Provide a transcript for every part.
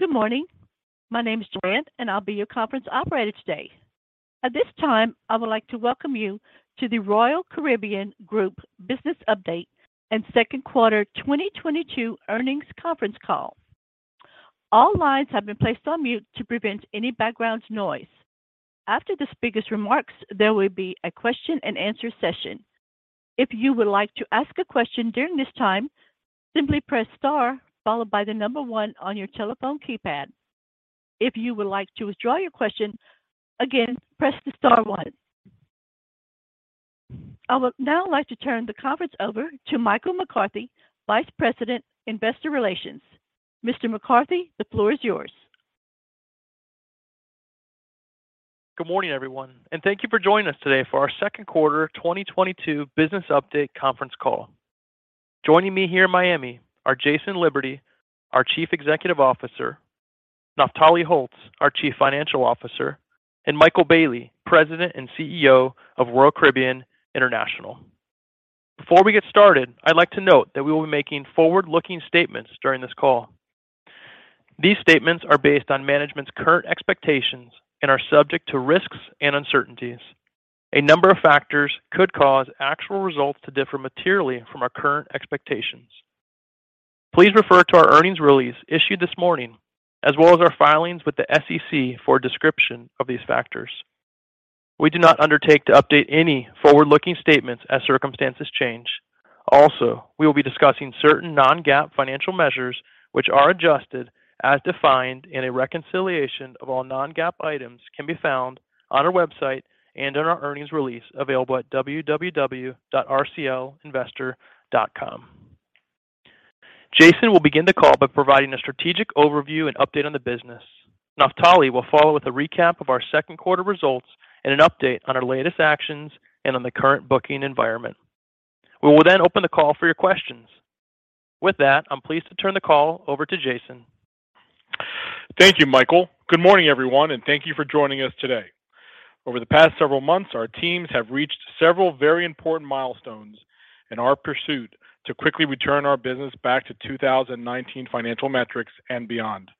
Good morning. My name is Joanne, and I'll be your conference operator today. At this time, I would like to welcome you to the Royal Caribbean Group business update and second quarter 2022 earnings conference call. All lines have been placed on mute to prevent any background noise. After the speaker's remarks, there will be a question-and-answer session. If you would like to ask a question during this time, simply press star followed by the number one on your telephone keypad. If you would like to withdraw your question, again, press the star one. I would now like to turn the conference over to Michael McCarthy, Vice President, Investor Relations. Mr. McCarthy, the floor is yours. Good morning, everyone, and thank you for joining us today for our second quarter 2022 business update conference call. Joining me here in Miami are Jason Liberty, our Chief Executive Officer, Naftali Holtz, our Chief Financial Officer, and Michael Bayley, President and CEO of Royal Caribbean International. Before we get started, I'd like to note that we will be making forward-looking statements during this call. These statements are based on management's current expectations and are subject to risks and uncertainties. A number of factors could cause actual results to differ materially from our current expectations. Please refer to our earnings release issued this morning, as well as our filings with the SEC for a description of these factors. We do not undertake to update any forward-looking statements as circumstances change. Also, we will be discussing certain non-GAAP financial measures, which are adjusted as defined in a reconciliation of all non-GAAP items, can be found on our website and in our earnings release available at rclinvestor.com. Jason will begin the call by providing a strategic overview and update on the business. Naftali will follow with a recap of our second quarter results and an update on our latest actions and on the current booking environment. We will then open the call for your questions. With that, I'm pleased to turn the call over to Jason. Thank you, Michael. Good morning, everyone, and thank you for joining us today. Over the past several months, our teams have reached several very important milestones in our pursuit to quickly return our business back to 2019 financial metrics and beyond.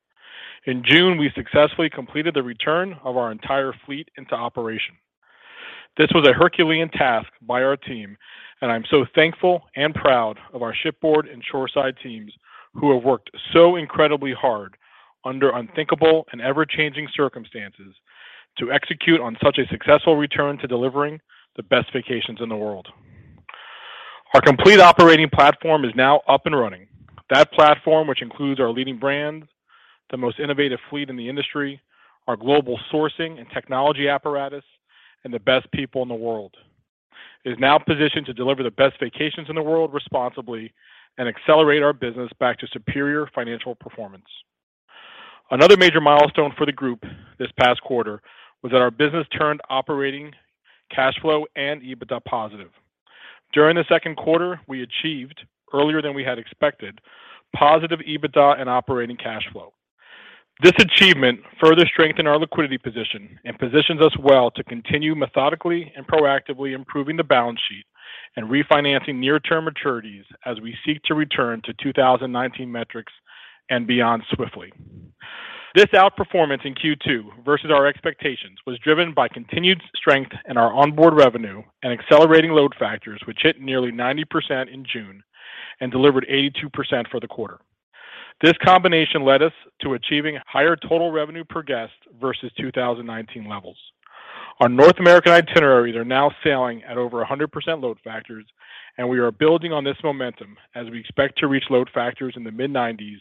In June, we successfully completed the return of our entire fleet into operation. This was a herculean task by our team, and I'm so thankful and proud of our shipboard and shoreside teams who have worked so incredibly hard under unthinkable and ever-changing circumstances to execute on such a successful return to delivering the best vacations in the world. Our complete operating platform is now up and running. That platform, which includes our leading brand, the most innovative fleet in the industry, our global sourcing and technology apparatus, and the best people in the world, is now positioned to deliver the best vacations in the world responsibly and accelerate our business back to superior financial performance. Another major milestone for the group this past quarter was that our business turned operating cash flow and EBITDA positive. During the second quarter, we achieved, earlier than we had expected, positive EBITDA and operating cash flow. This achievement further strengthened our liquidity position and positions us well to continue methodically and proactively improving the balance sheet and refinancing near-term maturities as we seek to return to 2019 metrics and beyond swiftly. This outperformance in Q2 versus our expectations was driven by continued strength in our onboard revenue and accelerating load factors, which hit nearly 90% in June and delivered 82% for the quarter. This combination led us to achieving higher total revenue per guest versus 2019 levels. Our North American itineraries are now sailing at over 100% load factors, and we are building on this momentum as we expect to reach load factors in the mid-90s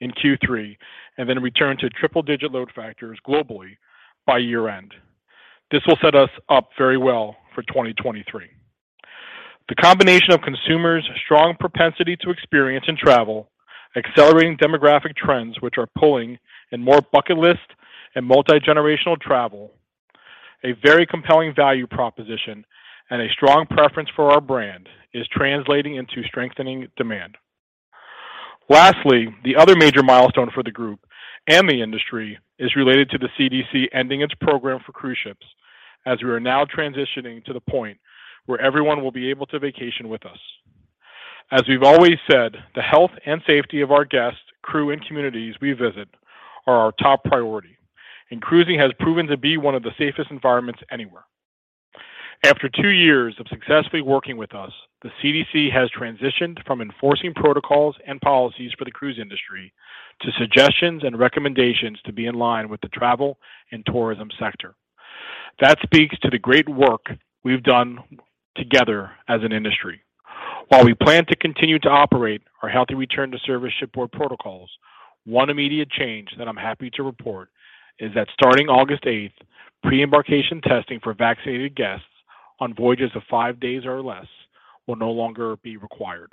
in Q3 and then return to triple-digit load factors globally by year-end. This will set us up very well for 2023. The combination of consumers' strong propensity to experience and travel, accelerating demographic trends which are pulling in more bucket list and multigenerational travel, a very compelling value proposition, and a strong preference for our brand is translating into strengthening demand. Lastly, the other major milestone for the group and the industry is related to the CDC ending its program for cruise ships as we are now transitioning to the point where everyone will be able to vacation with us. As we've always said, the health and safety of our guests, crew, and communities we visit are our top priority, and cruising has proven to be one of the safest environments anywhere. After two years of successfully working with us, the CDC has transitioned from enforcing protocols and policies for the cruise industry to suggestions and recommendations to be in line with the travel and tourism sector. That speaks to the great work we've done together as an industry. While we plan to continue to operate our healthy return to service shipboard protocols, one immediate change that I'm happy to report is that starting August eighth, pre-embarkation testing for vaccinated guests on voyages of five days or less will no longer be required.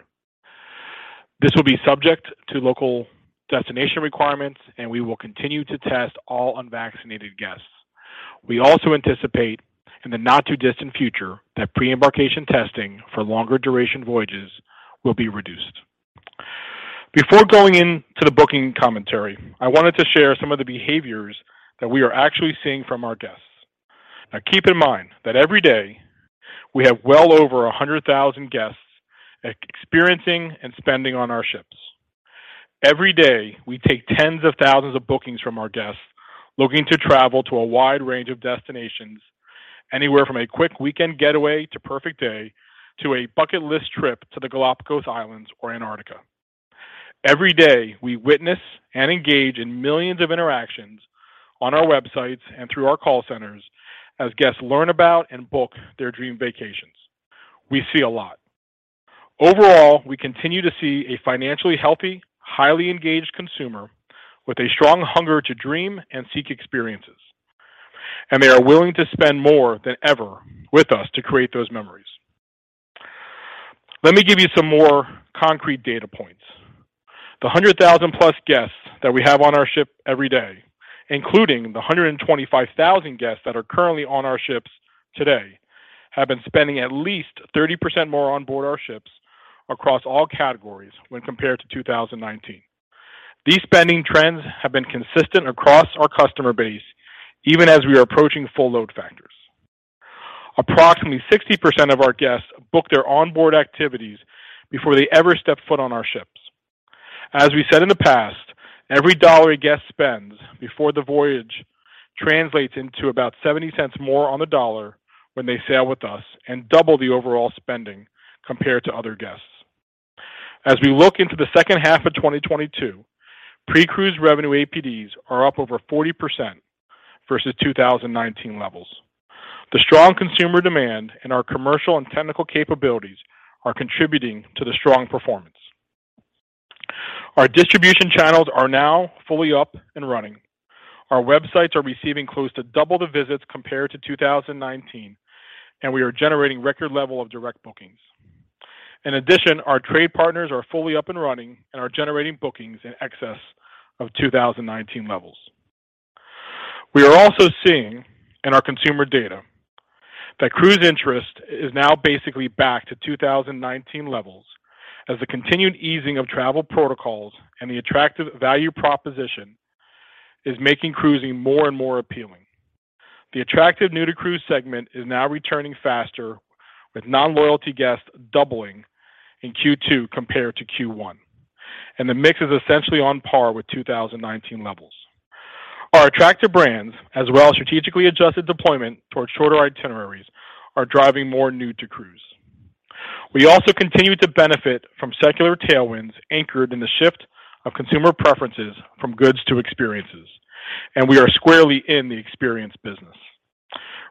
This will be subject to local destination requirements, and we will continue to test all unvaccinated guests. We also anticipate in the not-too-distant future that pre-embarkation testing for longer duration voyages will be reduced. Before going into the booking commentary, I wanted to share some of the behaviors that we are actually seeing from our guests. Now keep in mind that every day we have well over 100,000 guests experiencing and spending on our ships. Every day, we take tens of thousands of bookings from our guests looking to travel to a wide range of destinations, anywhere from a quick weekend getaway to Perfect Day, to a bucket list trip to the Galapagos Islands or Antarctica. Every day, we witness and engage in millions of interactions on our websites and through our call centers as guests learn about and book their dream vacations. We see a lot. Overall, we continue to see a financially healthy, highly engaged consumer with a strong hunger to dream and seek experiences, and they are willing to spend more than ever with us to create those memories. Let me give you some more concrete data points. The 100,000+ guests that we have on our ship every day, including the 125,000 guests that are currently on our ships today, have been spending at least 30% more on board our ships across all categories when compared to 2019. These spending trends have been consistent across our customer base, even as we are approaching full load factors. Approximately 60% of our guests book their onboard activities before they ever step foot on our ships. As we said in the past, every dollar a guest spends before the voyage translates into about $0.70 more on the dollar when they sail with us and double the overall spending compared to other guests. As we look into the second half of 2022, pre-cruise revenue APDs are up over 40% versus 2019 levels. The strong consumer demand and our commercial and technical capabilities are contributing to the strong performance. Our distribution channels are now fully up and running. Our websites are receiving close to double the visits compared to 2019, and we are generating record level of direct bookings. In addition, our trade partners are fully up and running and are generating bookings in excess of 2019 levels. We are also seeing in our consumer data that cruise interest is now basically back to 2019 levels as the continued easing of travel protocols and the attractive value proposition is making cruising more and more appealing. The attractive new to cruise segment is now returning faster with non-loyalty guests doubling in Q2 compared to Q1, and the mix is essentially on par with 2019 levels. Our attractive brands, as well as strategically adjusted deployment towards shorter itineraries, are driving more new to cruise. We also continue to benefit from secular tailwinds anchored in the shift of consumer preferences from goods to experiences, and we are squarely in the experience business.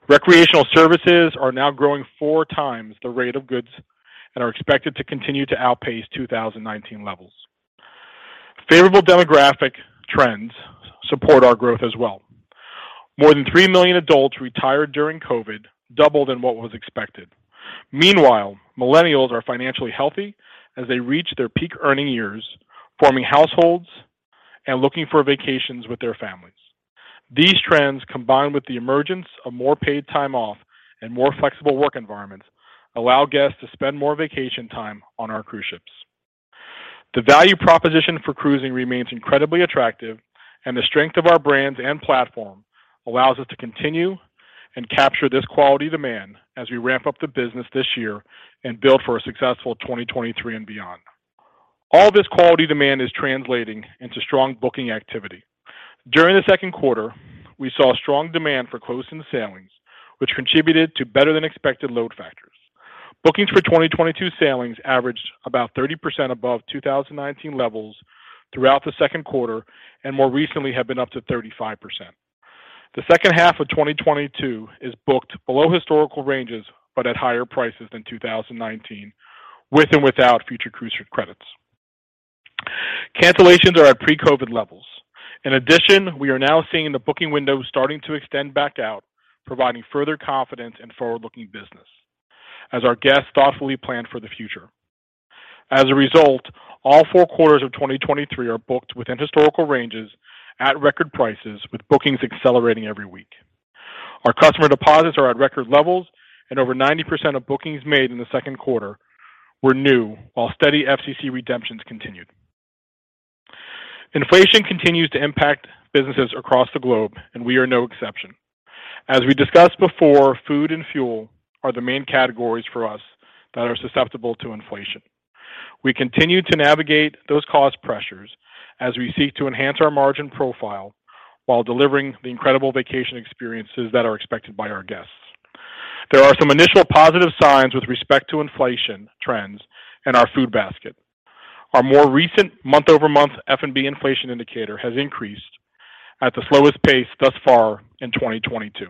Recreational services are now growing 4x the rate of goods and are expected to continue to outpace 2019 levels. Favorable demographic trends support our growth as well. More than 3 million adults retired during COVID, double than what was expected. Meanwhile, millennials are financially healthy as they reach their peak earning years, forming households and looking for vacations with their families. These trends, combined with the emergence of more paid time off and more flexible work environments, allow guests to spend more vacation time on our cruise ships. The value proposition for cruising remains incredibly attractive, and the strength of our brands and platform allows us to continue and capture this quality demand as we ramp up the business this year and build for a successful 2023 and beyond. All this quality demand is translating into strong booking activity. During the second quarter, we saw strong demand for closing sailings, which contributed to better than expected load factors. Bookings for 2022 sailings averaged about 30% above 2019 levels throughout the second quarter, and more recently have been up to 35%. The second half of 2022 is booked below historical ranges, but at higher prices than 2019 with and without future cruise credits. Cancellations are at pre-COVID levels. In addition, we are now seeing the booking window starting to extend back out, providing further confidence in forward-looking business as our guests thoughtfully plan for the future. As a result, all four quarters of 2023 are booked within historical ranges at record prices, with bookings accelerating every week. Our customer deposits are at record levels and over 90% of bookings made in the second quarter were new, while steady FCC redemptions continued. Inflation continues to impact businesses across the globe, and we are no exception. As we discussed before, food and fuel are the main categories for us that are susceptible to inflation. We continue to navigate those cost pressures as we seek to enhance our margin profile while delivering the incredible vacation experiences that are expected by our guests. There are some initial positive signs with respect to inflation trends in our food basket. Our more recent month-over-month F&B inflation indicator has increased at the slowest pace thus far in 2022.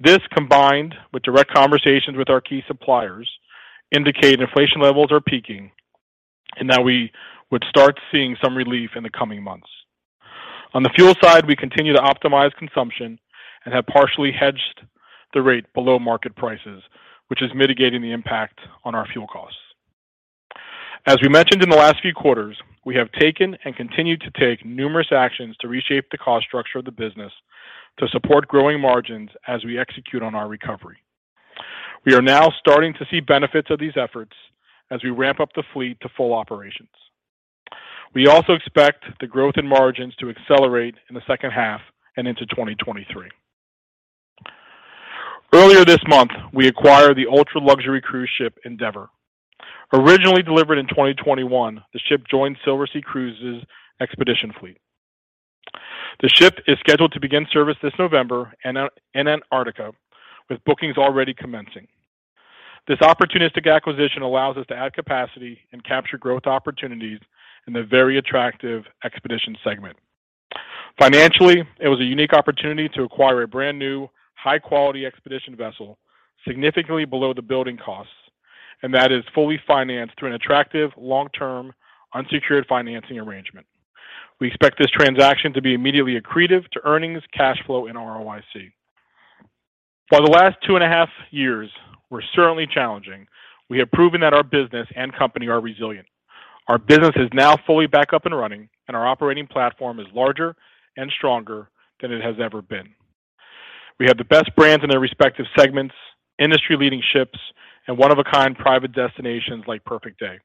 This, combined with direct conversations with our key suppliers, indicate inflation levels are peaking and that we would start seeing some relief in the coming months. On the fuel side, we continue to optimize consumption and have partially hedged the rate below market prices, which is mitigating the impact on our fuel costs. As we mentioned in the last few quarters, we have taken and continue to take numerous actions to reshape the cost structure of the business to support growing margins as we execute on our recovery. We are now starting to see benefits of these efforts as we ramp up the fleet to full operation. We also expect the growth in margins to accelerate in the second half and into 2023. Earlier this month, we acquired the ultra-luxury cruise ship Endeavour. Originally delivered in 2021, the ship joined Silversea Cruises' expedition fleet. The ship is scheduled to begin service this November in Antarctica, with bookings already commencing. This opportunistic acquisition allows us to add capacity and capture growth opportunities in the very attractive expedition segment. Financially, it was a unique opportunity to acquire a brand-new high-quality expedition vessel significantly below the building costs, and that is fully financed through an attractive long-term unsecured financing arrangement. We expect this transaction to be immediately accretive to earnings, cash flow and ROIC. While the last 2.5 years were certainly challenging, we have proven that our business and company are resilient. Our business is now fully back up and running, and our operating platform is larger and stronger than it has ever been. We have the best brands in their respective segments, industry-leading ships, and one-of-a-kind private destinations like Perfect Day.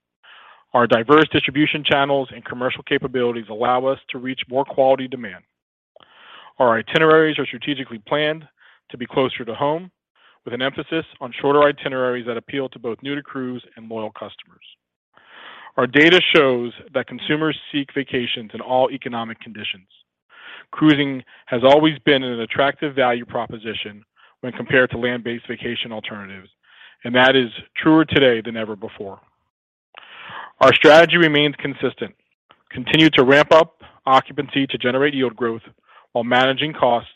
Our diverse distribution channels and commercial capabilities allow us to reach more quality demand. Our itineraries are strategically planned to be closer to home, with an emphasis on shorter itineraries that appeal to both new-to-cruise and loyal customers. Our data shows that consumers seek vacations in all economic conditions. Cruising has always been an attractive value proposition when compared to land-based vacation alternatives, and that is truer today than ever before. Our strategy remains consistent. Continue to ramp up occupancy to generate yield growth while managing costs,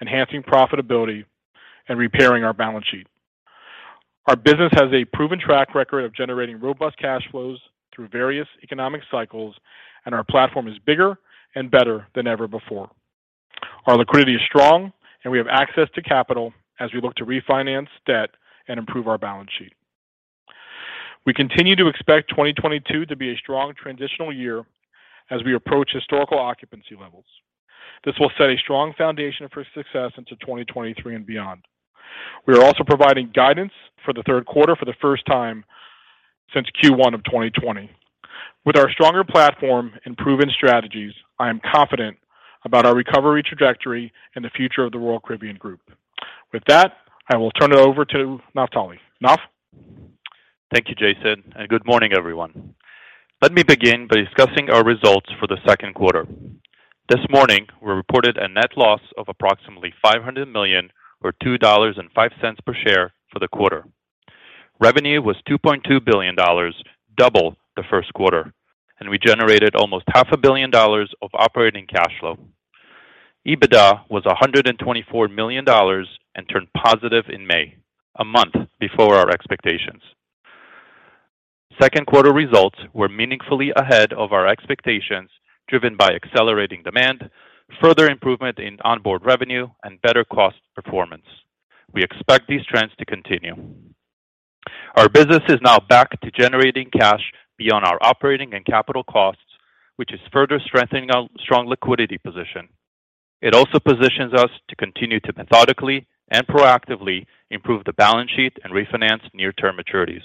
enhancing profitability and repairing our balance sheet. Our business has a proven track record of generating robust cash flows through various economic cycles, and our platform is bigger and better than ever before. Our liquidity is strong and we have access to capital as we look to refinance debt and improve our balance sheet. We continue to expect 2022 to be a strong transitional year as we approach historical occupancy levels. This will set a strong foundation for success into 2023 and beyond. We are also providing guidance for the third quarter for the first time since Q1 of 2020. With our stronger platform and proven strategies, I am confident about our recovery trajectory and the future of the Royal Caribbean Group. With that, I will turn it over to Naftali. Naf? Thank you, Jason, and good morning, everyone. Let me begin by discussing our results for the second quarter. This morning, we reported a net loss of approximately $500 million or $2.05 per share for the quarter. Revenue was $2.2 billion, double the first quarter, and we generated almost $500 million dollars of operating cash flow. EBITDA was $124 million and turned positive in May, a month before our expectations. Second quarter results were meaningfully ahead of our expectations, driven by accelerating demand, further improvement in onboard revenue and better cost performance. We expect these trends to continue. Our business is now back to generating cash beyond our operating and capital costs, which is further strengthening our strong liquidity position. It also positions us to continue to methodically and proactively improve the balance sheet and refinance near-term maturities.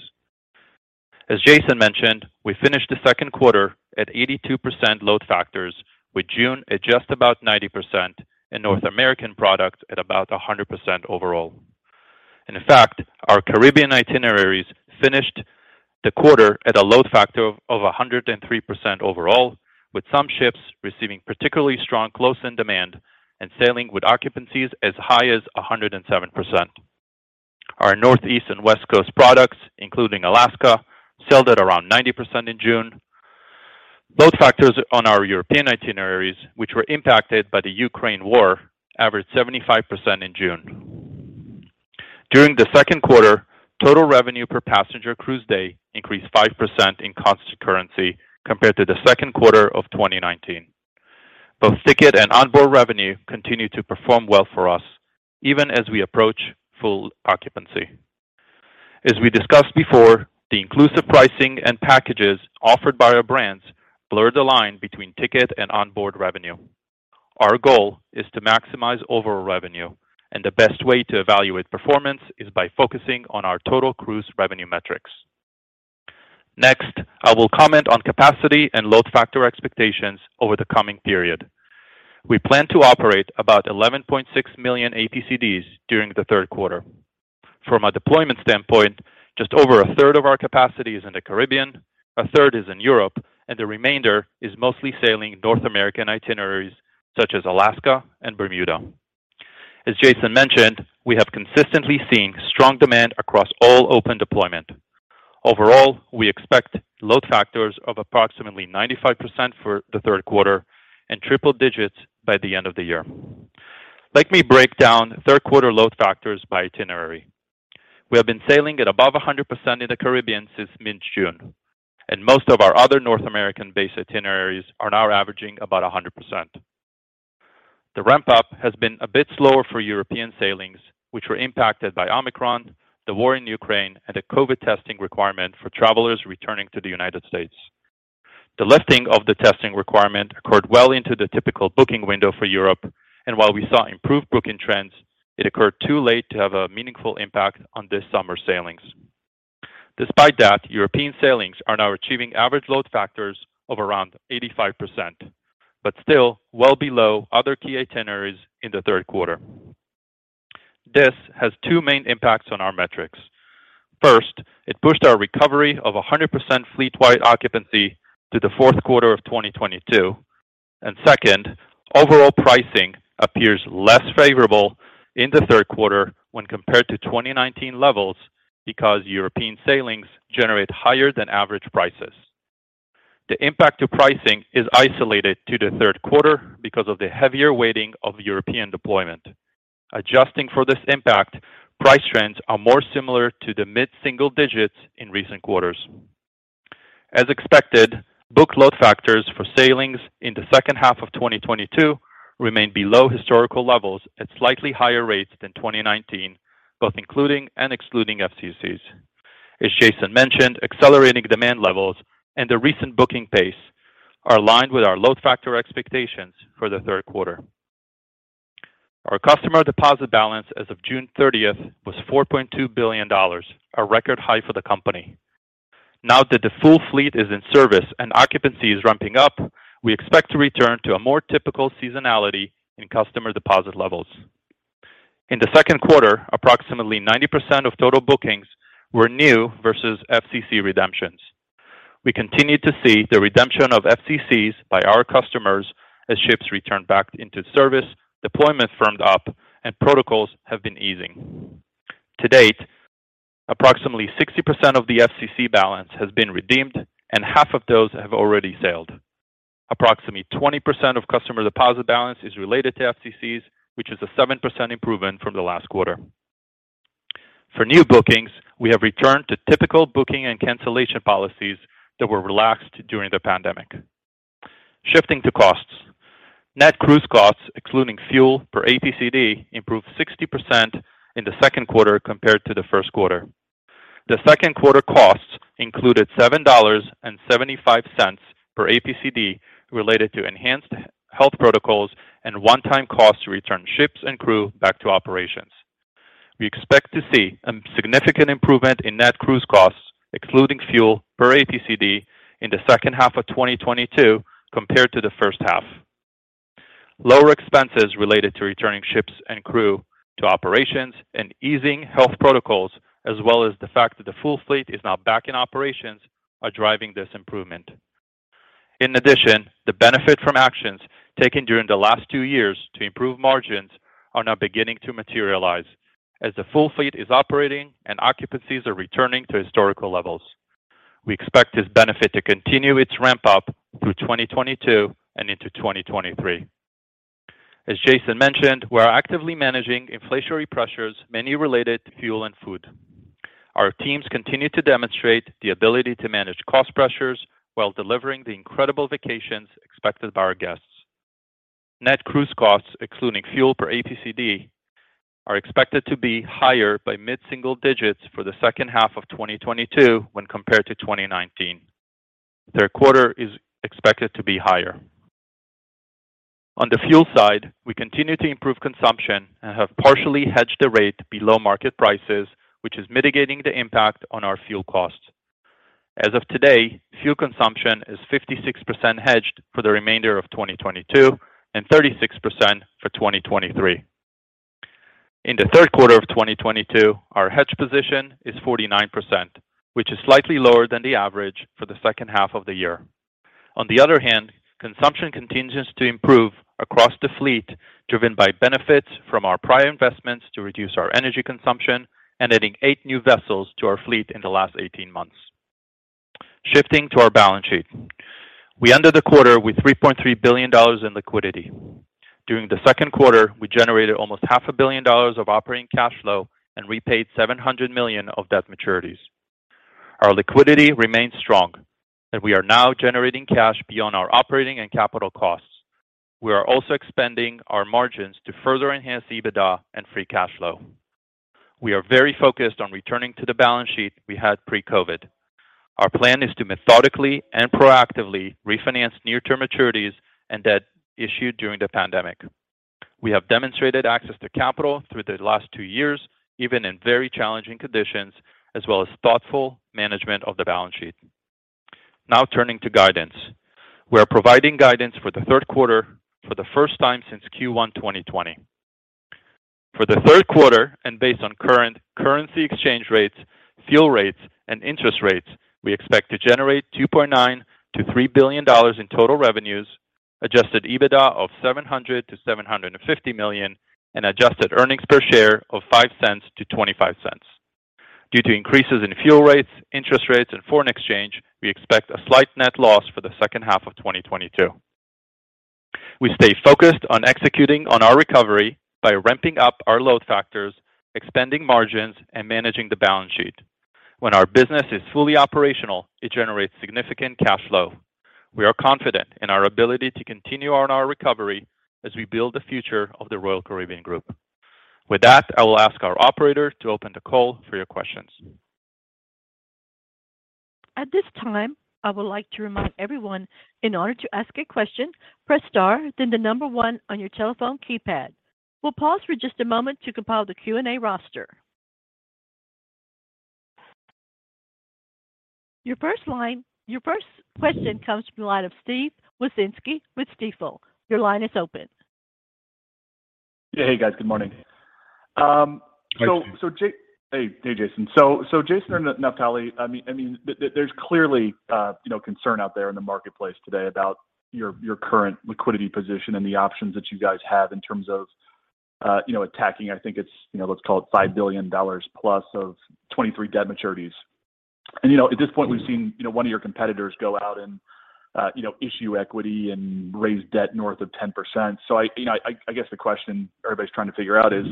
As Jason mentioned, we finished the second quarter at 82% load factors, with June at just about 90% and North American products at about 100% overall. In fact, our Caribbean itineraries finished the quarter at a load factor of 103% overall, with some ships receiving particularly strong close-in demand and sailing with occupancies as high as 107%. Our Northeast and West Coast products, including Alaska, sailed at around 90% in June. Load factors on our European itineraries, which were impacted by the Ukraine war, averaged 75% in June. During the second quarter, total revenue per passenger cruise day increased 5% in constant currency compared to the second quarter of 2019. Both ticket and onboard revenue continue to perform well for us even as we approach full occupancy. As we discussed before, the inclusive pricing and packages offered by our brands blur the line between ticket and onboard revenue. Our goal is to maximize overall revenue, and the best way to evaluate performance is by focusing on our total cruise revenue metrics. Next, I will comment on capacity and load factor expectations over the coming period. We plan to operate about 11.6 million APCDs during the third quarter. From a deployment standpoint, just over 1/3 of our capacity is in the Caribbean, 1/3 is in Europe, and the remainder is mostly sailing North American itineraries such as Alaska and Bermuda. As Jason mentioned, we have consistently seen strong demand across all open deployment. Overall, we expect load factors of approximately 95% for the third quarter and triple digits by the end of the year. Let me break down third quarter load factors by itinerary. We have been sailing at above 100% in the Caribbean since mid-June, and most of our other North American-based itineraries are now averaging about 100%. The ramp-up has been a bit slower for European sailings, which were impacted by Omicron, the war in Ukraine and the COVID testing requirement for travelers returning to the United States. The lifting of the testing requirement occurred well into the typical booking window for Europe, and while we saw improved booking trends, it occurred too late to have a meaningful impact on this summer sailings. Despite that, European sailings are now achieving average load factors of around 85%, but still well below other key itineraries in the third quarter. This has two main impacts on our metrics. First, it pushed our recovery of 100% fleet-wide occupancy to the fourth quarter of 2022. Second, overall pricing appears less favorable in the third quarter when compared to 2019 levels because European sailings generate higher than average prices. The impact to pricing is isolated to the third quarter because of the heavier weighting of European deployment. Adjusting for this impact, price trends are more similar to the mid-single digits in recent quarters. As expected, book load factors for sailings in the second half of 2022 remain below historical levels at slightly higher rates than 2019, both including and excluding FCCs. As Jason mentioned, accelerating demand levels and the recent booking pace are aligned with our load factor expectations for the third quarter. Our customer deposit balance as of June 30th was $4.2 billion, a record high for the company. Now that the full fleet is in service and occupancy is ramping up, we expect to return to a more typical seasonality in customer deposit levels. In the second quarter, approximately 90% of total bookings were new versus FCC redemptions. We continued to see the redemption of FCCs by our customers as ships returned back into service, deployments firmed up, and protocols have been easing. To date, approximately 60% of the FCC balance has been redeemed, and half of those have already sailed. Approximately 20% of customer deposit balance is related to FCCs, which is a 7% improvement from the last quarter. For new bookings, we have returned to typical booking and cancellation policies that were relaxed during the pandemic. Shifting to costs. Net cruise costs excluding fuel per APCD improved 60% in the second quarter compared to the first quarter. The second quarter costs included $7.75 per APCD related to enhanced health protocols and one-time costs to return ships and crew back to operations. We expect to see a significant improvement in net cruise costs excluding fuel per APCD in the second half of 2022 compared to the first half. Lower expenses related to returning ships and crew to operations and easing health protocols, as well as the fact that the full fleet is now back in operations, are driving this improvement. In addition, the benefit from actions taken during the last two years to improve margins are now beginning to materialize as the full fleet is operating and occupancies are returning to historical levels. We expect this benefit to continue its ramp up through 2022 and into 2023. As Jason mentioned, we are actively managing inflationary pressures, mainly related to fuel and food. Our teams continue to demonstrate the ability to manage cost pressures while delivering the incredible vacations expected by our guests. Net cruise costs excluding fuel per APCD are expected to be higher by mid-single digits for the second half of 2022 when compared to 2019. Third quarter is expected to be higher. On the fuel side, we continue to improve consumption and have partially hedged the rate below market prices, which is mitigating the impact on our fuel costs. As of today, fuel consumption is 56% hedged for the remainder of 2022 and 36% for 2023. In the third quarter of 2022, our hedge position is 49%, which is slightly lower than the average for the second half of the year. On the other hand, consumption continues to improve across the fleet, driven by benefits from our prior investments to reduce our energy consumption and adding eight new vessels to our fleet in the last 18 months. Shifting to our balance sheet. We ended the quarter with $3.3 billion in liquidity. During the second quarter, we generated almost $500 million of operating cash flow and repaid $700 million of debt maturities. Our liquidity remains strong, and we are now generating cash beyond our operating and capital costs. We are also expanding our margins to further enhance EBITDA and free cash flow. We are very focused on returning to the balance sheet we had pre-COVID. Our plan is to methodically and proactively refinance near-term maturities and debt issued during the pandemic. We have demonstrated access to capital through the last two years, even in very challenging conditions, as well as thoughtful management of the balance sheet. Now turning to guidance. We are providing guidance for the third quarter for the first time since Q1 2020. For the third quarter and based on current currency exchange rates, fuel rates, and interest rates, we expect to generate $2.9 billion-$3 billion in total revenues, adjusted EBITDA of $700 million-$750 million, and adjusted earnings per share of $0.05-$0.25. Due to increases in fuel rates, interest rates, and foreign exchange, we expect a slight net loss for the second half of 2022. We stay focused on executing on our recovery by ramping up our load factors, expanding margins, and managing the balance sheet. When our business is fully operational, it generates significant cash flow. We are confident in our ability to continue on our recovery as we build the future of the Royal Caribbean Group. With that, I will ask our operator to open the call for your questions. At this time, I would like to remind everyone in order to ask a question, press star then the number one on your telephone keypad. We'll pause for just a moment to compile the Q&A roster. Your first question comes from the line of Steven Wieczynski with Stifel. Your line is open. Yeah. Hey, guys. Good morning. Hi, Steve. Hey, Jason. Jason or Naftali, I mean, there's clearly, you know, concern out there in the marketplace today about your current liquidity position and the options that you guys have in terms of, you know, attacking, I think it's, you know, let's call it $5 billion+ of 2023 debt maturities. You know, at this point we've seen, you know, one of your competitors go out and, you know, issue equity and raise debt north of 10%. I guess the question everybody's trying to figure out is,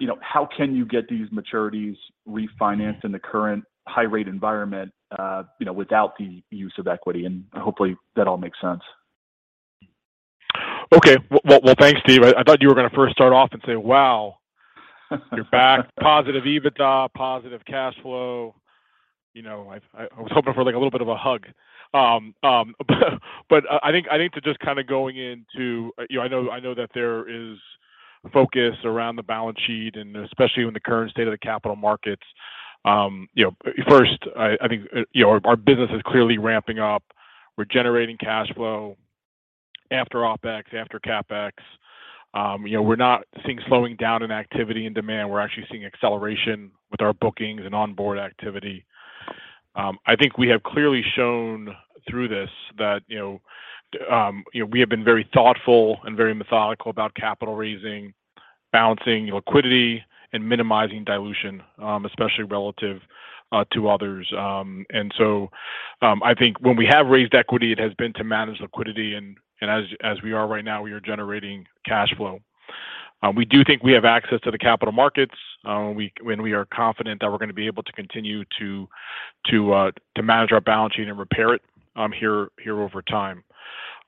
you know, how can you get these maturities refinanced in the current high rate environment, you know, without the use of equity. Hopefully that all makes sense. Okay. Well, thanks, Steve. I thought you were gonna first start off and say, "Wow, you're back, positive EBITDA, positive cash flow." You know, I was hoping for like a little bit of a hug. But I think to just kind of going into, you know, I know that there is focus around the balance sheet and especially in the current state of the capital markets. You know, first, I think, you know, our business is clearly ramping up. We're generating cash flow after OpEx, after CapEx. You know, we're not seeing slowing down in activity and demand. We're actually seeing acceleration with our bookings and onboard activity. I think we have clearly shown through this that, you know, you know, we have been very thoughtful and very methodical about capital raising, balancing liquidity and minimizing dilution, especially relative to others. I think when we have raised equity, it has been to manage liquidity and as we are right now, we are generating cash flow. We do think we have access to the capital markets, and we are confident that we're gonna be able to continue to manage our balance sheet and repair it, here over time.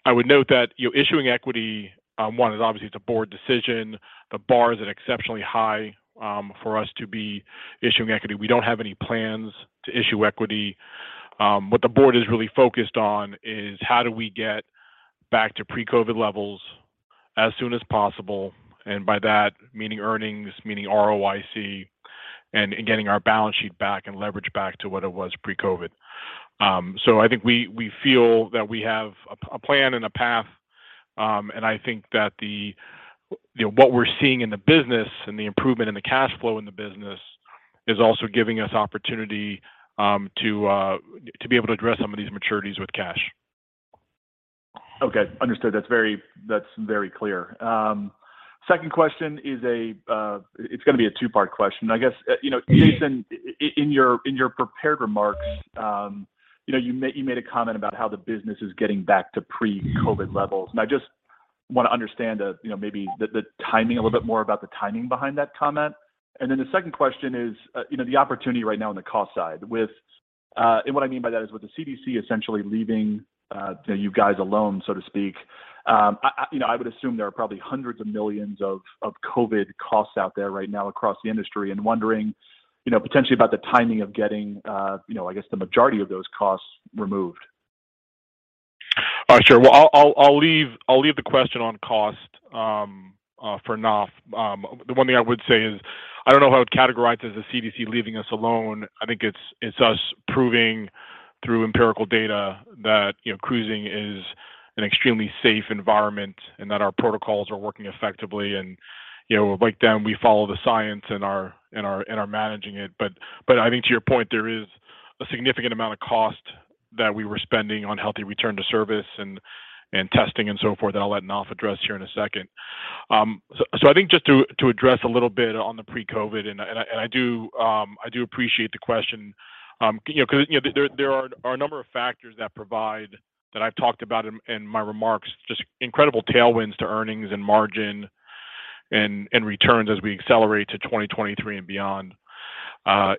I would note that, you know, issuing equity is obviously. It's a board decision. The bar is exceptionally high for us to be issuing equity. We don't have any plans to issue equity. What the board is really focused on is how do we get back to pre-COVID levels as soon as possible, and by that meaning earnings, meaning ROIC, and getting our balance sheet back and leverage back to what it was pre-COVID. I think we feel that we have a plan and a path, and I think that the, you know, what we're seeing in the business and the improvement in the cash flow in the business is also giving us opportunity to be able to address some of these maturities with cash. Okay. Understood. That's very clear. Second question is gonna be a two-part question. I guess, you know, Jason, in your prepared remarks, you know, you made a comment about how the business is getting back to pre-COVID levels, and I just wanna understand, you know, maybe the timing a little bit more about the timing behind that comment. The second question is, you know, the opportunity right now on the cost side with, and what I mean by that is with the CDC essentially leaving, you know, you guys alone, so to speak, you know, I would assume there are probably hundreds of millions of COVID costs out there right now across the industry and wondering, you know, potentially about the timing of getting, you know, I guess the majority of those costs removed. All right. Sure. Well, I'll leave the question on cost for Naf. The one thing I would say is, I don't know how I'd categorize it as the CDC leaving us alone. I think it's us proving through empirical data that, you know, cruising is an extremely safe environment and that our protocols are working effectively. You know, like them, we follow the science in our managing it. I think to your point, there is a significant amount of cost that we were spending on healthy return to service and testing and so forth that I'll let Naf address here in a second. I think just to address a little bit on the pre-COVID. I do appreciate the question. You know, 'cause, you know, there are a number of factors that provide that I've talked about in my remarks, just incredible tailwinds to earnings and margin and returns as we accelerate to 2023 and beyond.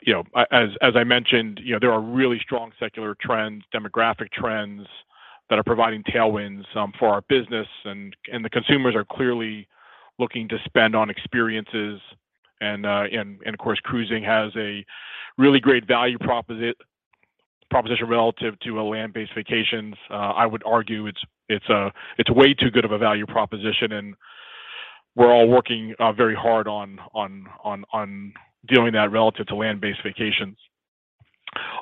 You know, as I mentioned, you know, there are really strong secular trends, demographic trends that are providing tailwinds for our business. The consumers are clearly looking to spend on experiences and of course, cruising has a really great value proposition relative to a land-based vacations. I would argue it's way too good of a value proposition, and we're all working very hard on doing that relative to land-based vacations.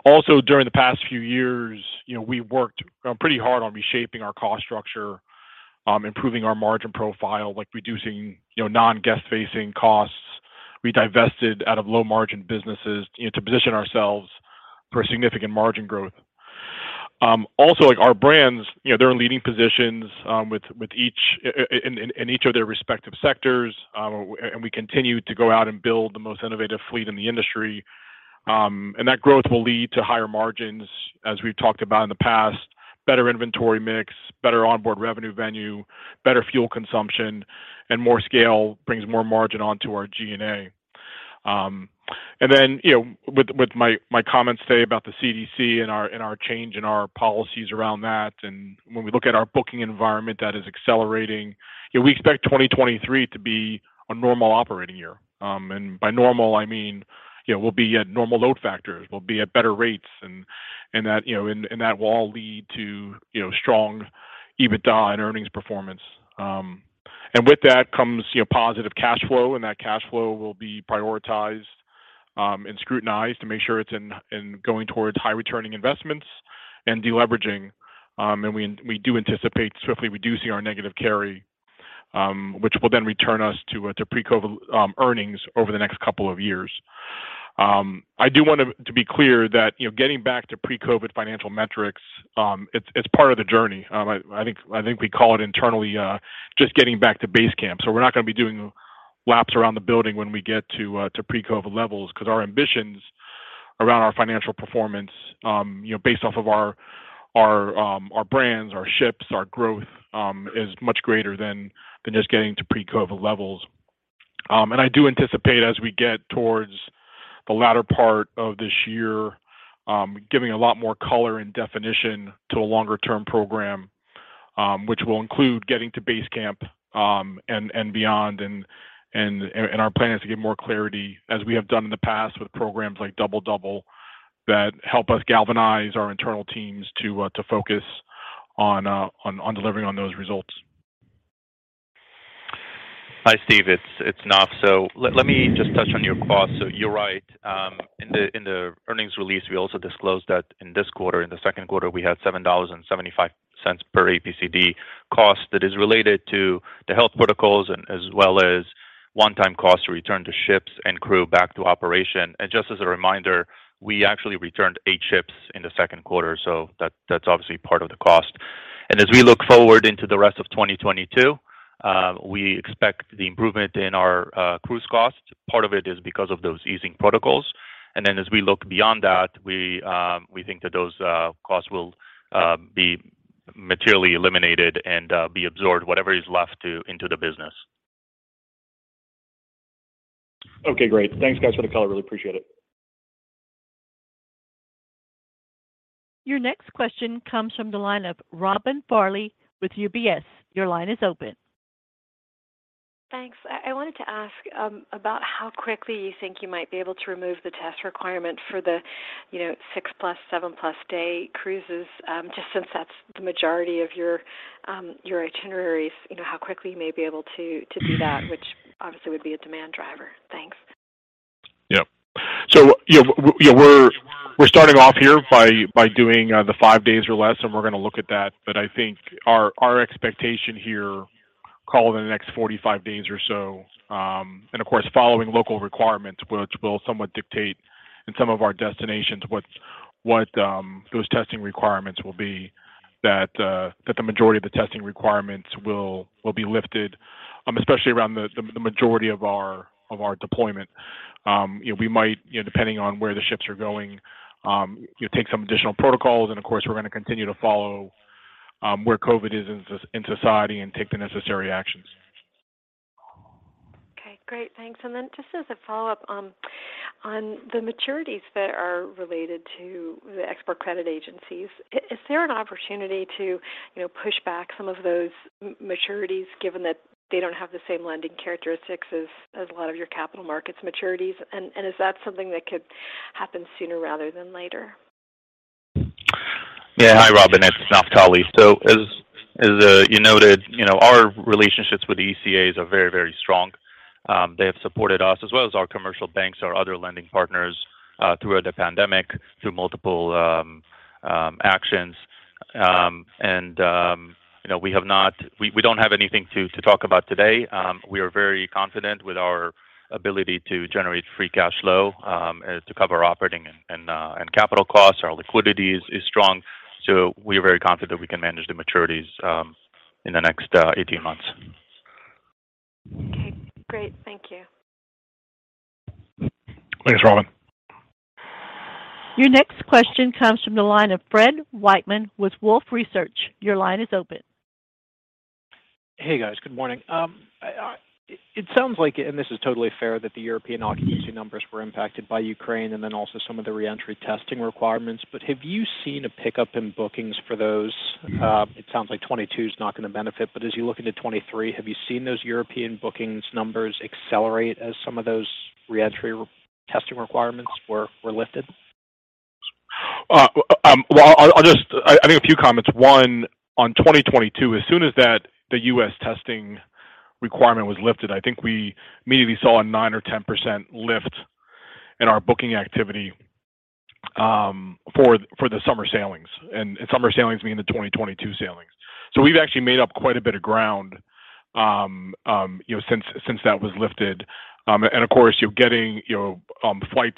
Also, during the past few years, you know, we worked pretty hard on reshaping our cost structure, improving our margin profile, like reducing, you know, non-guest-facing costs. We divested out of low-margin businesses, you know, to position ourselves for significant margin growth. Also, like our brands, you know, they're in leading positions within each of their respective sectors. We continue to go out and build the most innovative fleet in the industry. That growth will lead to higher margins, as we've talked about in the past, better inventory mix, better onboard revenue venues, better fuel consumption, and more scale brings more margin onto our G&A. You know, with my comments today about the CDC and our change in our policies around that, and when we look at our booking environment that is accelerating, you know, we expect 2023 to be a normal operating year. By normal, I mean, you know, we'll be at normal load factors, we'll be at better rates and that, you know, and that will all lead to, you know, strong EBITDA and earnings performance. With that comes, you know, positive cash flow, and that cash flow will be prioritized and scrutinized to make sure it's going towards high returning investments and deleveraging. We do anticipate swiftly reducing our negative carry, which will then return us to pre-COVID earnings over the next couple of years. I do want to be clear that, you know, getting back to pre-COVID financial metrics, it's part of the journey. I think we call it internally just getting back to base camp. We're not gonna be doing laps around the building when we get to pre-COVID levels because our ambitions around our financial performance, you know, based off of our brands, our ships, our growth, is much greater than just getting to pre-COVID levels. I do anticipate as we get towards the latter part of this year, giving a lot more color and definition to a longer-term program, which will include getting to base camp, and beyond. our plan is to give more clarity as we have done in the past with programs like Double-Double that help us galvanize our internal teams to focus on delivering on those results. Hi, Steve. It's Naf. Let me just touch on your costs. You're right. In the earnings release, we also disclosed that in this quarter, in the second quarter, we had $7.75 per APCD cost that is related to the health protocols as well as one-time cost to return to ships and crew back to operation. Just as a reminder, we actually returned eight ships in the second quarter, so that's obviously part of the cost. As we look forward into the rest of 2022, we expect the improvement in our cruise cost. Part of it is because of those easing protocols. Then as we look beyond that, we think that those costs will be materially eliminated and be absorbed, whatever is left into the business. Okay, great. Thanks guys for the call. Really appreciate it. Your next question comes from the line of Robin Farley with UBS. Your line is open. Thanks. I wanted to ask about how quickly you think you might be able to remove the test requirement for the, you know, 6+, 7+ day cruises, just since that's the majority of your your itineraries. You know, how quickly you may be able to do that, which obviously would be a demand driver. Thanks. Yeah. You know, we're starting off here by doing the five days or less, and we're gonna look at that. I think our expectation here, call it in the next 45 days or so, and of course, following local requirements, which will somewhat dictate in some of our destinations what those testing requirements will be that the majority of the testing requirements will be lifted, especially around the majority of our deployment. You know, we might, you know, depending on where the ships are going, you know, take some additional protocols. Of course, we're gonna continue to follow where COVID is in society and take the necessary actions. Okay, great. Thanks. Just as a follow-up, on the maturities that are related to the export credit agencies, is there an opportunity to, you know, push back some of those maturities given that they don't have the same lending characteristics as a lot of your capital markets maturities? Is that something that could happen sooner rather than later? Yeah. Hi, Robin. It's Naftali. You noted, you know, our relationships with ECAs are very, very strong. They have supported us as well as our commercial banks, our other lending partners throughout the pandemic through multiple actions. You know, we don't have anything to talk about today. We are very confident with our ability to generate free cash flow to cover operating and capital costs. Our liquidity is strong, so we are very confident that we can manage the maturities in the next 18 months. Okay, great. Thank you. Thanks, Robin. Your next question comes from the line of Fred Wightman with Wolfe Research. Your line is open. Hey, guys. Good morning. It sounds like, and this is totally fair, that the European occupancy numbers were impacted by Ukraine and then also some of the reentry testing requirements. Have you seen a pickup in bookings for those? Mm-hmm. It sounds like 2022 is not gonna benefit, but as you look into 2023, have you seen those European bookings numbers accelerate as some of those reentry re-testing requirements were lifted? Well, I'll just. I think a few comments. One, on 2022, as soon as that, the U.S. testing requirement was lifted, I think we immediately saw a 9% or 10% lift in our booking activity, for the summer sailings. Summer sailings mean the 2022 sailings. We've actually made up quite a bit of ground, you know, since that was lifted. Of course, you know, getting, you know, flights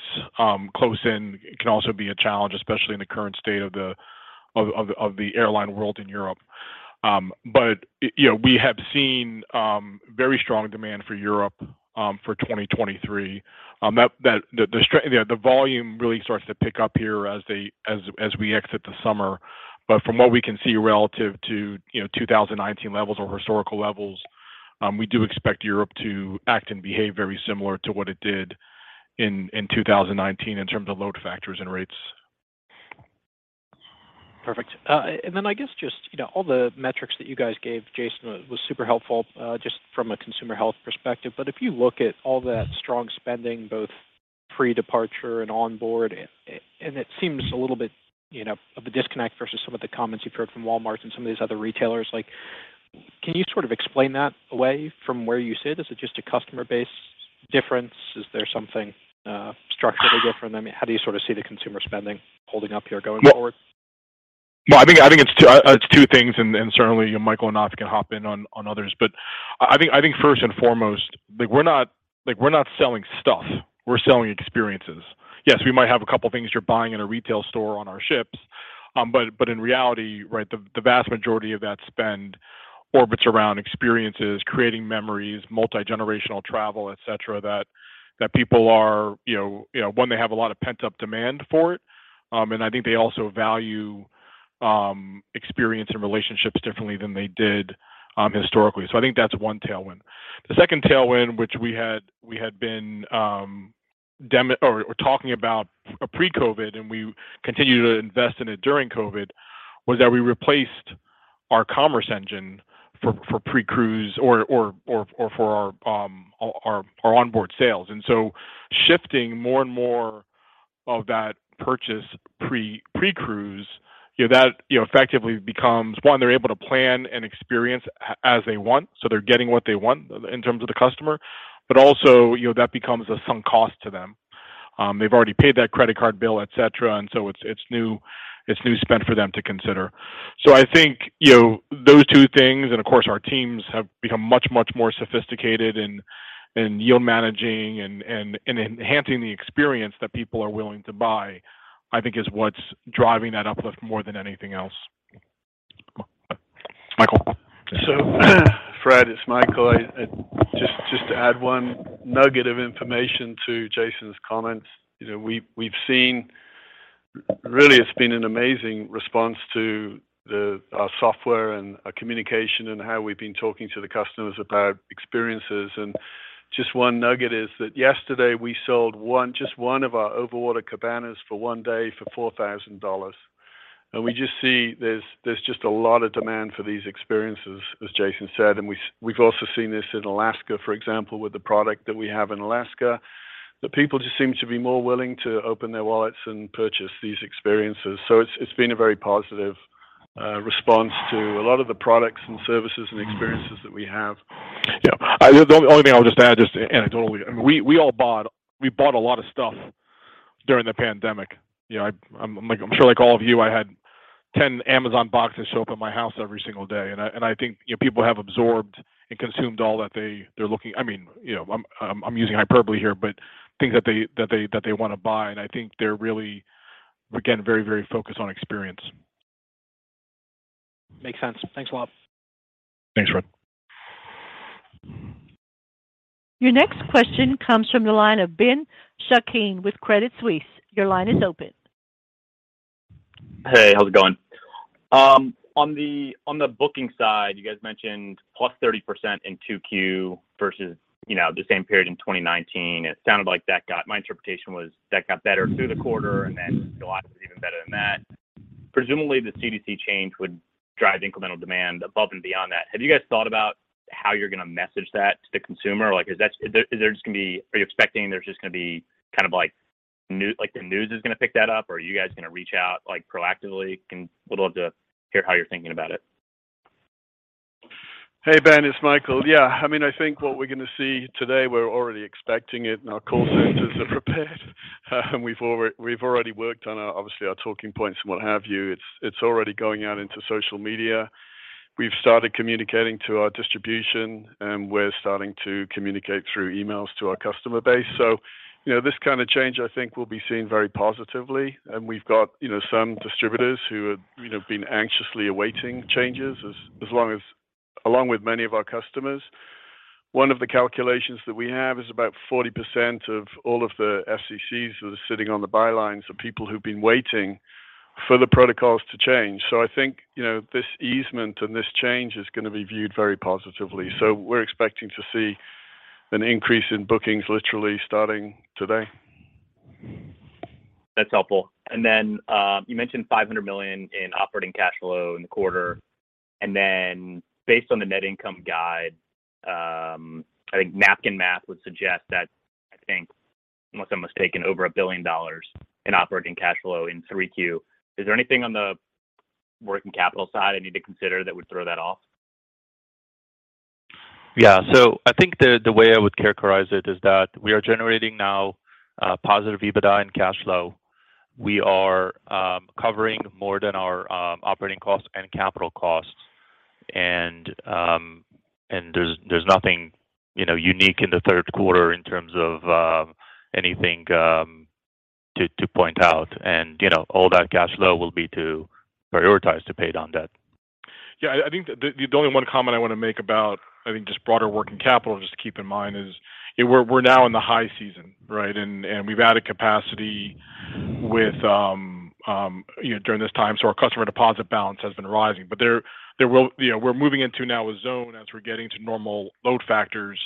close in can also be a challenge, especially in the current state of the airline world in Europe. You know, we have seen very strong demand for Europe for 2023. You know, the volume really starts to pick up here as we exit the summer. From what we can see relative to 2019 levels or historical levels, you know, we do expect Europe to act and behave very similar to what it did in 2019 in terms of load factors and rates. Perfect. Then I guess just, you know, all the metrics that you guys gave, Jason, was super helpful, just from a consumer health perspective. If you look at all that strong spending, both pre-departure and onboard, and it seems a little bit, you know, of a disconnect versus some of the comments you've heard from Walmart and some of these other retailers. Like, can you sort of explain that away from where you sit? Is it just a customer base difference? Is there something structurally different? I mean, how do you sort of see the consumer spending holding up here going forward? Well, I think it's two things, and certainly Michael and Naf can hop in on others. I think first and foremost, like we're not selling stuff, we're selling experiences. Yes, we might have a couple of things you're buying in a retail store on our ships, but in reality, right, the vast majority of that spend orbits around experiences, creating memories, multi-generational travel, et cetera, that people are, you know, one, they have a lot of pent-up demand for it, and I think they also value experience and relationships differently than they did historically. I think that's one tailwind. The second tailwind, which we had been talking about pre-COVID, and we continue to invest in it during COVID, was that we replaced our commerce engine for pre-cruise or for our onboard sales. Shifting more and more of that purchase pre-cruise, you know, that effectively becomes one, they're able to plan an experience as they want, so they're getting what they want in terms of the customer. Also, you know, that becomes a sunk cost to them. They've already paid that credit card bill, et cetera, and it's new spend for them to consider. I think those two things, and of course, our teams have become much, much more sophisticated in yield managing and enhancing the experience that people are willing to buy, I think is what's driving that uplift more than anything else. Michael. Fred, it's Michael. Just to add one nugget of information to Jason's comment. You know, we've seen. Really, it's been an amazing response to our software and our communication and how we've been talking to the customers about experiences. Just one nugget is that yesterday we sold one, just one of our overwater cabanas for one day for $4,000. We just see there's just a lot of demand for these experiences, as Jason said. We've also seen this in Alaska, for example, with the product that we have in Alaska. The people just seem to be more willing to open their wallets and purchase these experiences. It's been a very positive response to a lot of the products and services and experiences that we have. Yeah. The only thing I'll just add, just anecdotally, we all bought a lot of stuff during the pandemic. You know, I'm like, I'm sure like all of you, I had 10 Amazon boxes show up at my house every single day. I think, you know, people have absorbed and consumed all that they're looking. I mean, you know, I'm using hyperbole here, but things that they wanna buy. I think they're really, again, very focused on experience. Makes sense. Thanks a lot. Thanks, Fred. Your next question comes from the line of Ben Chaiken with Credit Suisse. Your line is open. Hey, how's it going? On the booking side, you guys mentioned +30% in 2Q versus the same period in 2019. It sounded like that got better through the quarter and then July was even better than that. Presumably, the CDC change would drive incremental demand above and beyond that. Have you guys thought about how you're gonna message that to the consumer? Like, are you expecting the news is gonna pick that up, or are you guys gonna reach out proactively? Would love to hear how you're thinking about it. Hey, Ben, it's Michael. Yeah. I mean, I think what we're gonna see today, we're already expecting it, and our call centers are prepared. We've already worked on our, obviously our talking points and what have you. It's already going out into social media. We've started communicating to our distribution, and we're starting to communicate through emails to our customer base. You know, this kinda change, I think will be seen very positively. We've got, you know, some distributors who have, you know, been anxiously awaiting changes along with many of our customers. One of the calculations that we have is about 40% of all of the FCCs who are sitting on the sidelines of people who've been waiting for the protocols to change. I think, you know, this easing and this change is gonna be viewed very positively. We're expecting to see an increase in bookings literally starting today. That's helpful. You mentioned $500 million in operating cash flow in the quarter. Based on the net income guide, I think napkin math would suggest that, unless I'm mistaken, over $1 billion in operating cash flow in 3Q. Is there anything on the working capital side I need to consider that would throw that off? Yeah. I think the way I would characterize it is that we are generating now positive EBITDA and cash flow. We are covering more than our operating costs and capital costs. There's nothing, you know, unique in the third quarter in terms of anything to point out. You know, all that cash flow will be to prioritize to pay down debt. Yeah. I think the only one comment I wanna make about, I think just broader working capital, just to keep in mind, is we're now in the high season, right? We've added capacity with, you know, during this time, so our customer deposit balance has been rising. You know, we're moving into now a zone as we're getting to normal load factors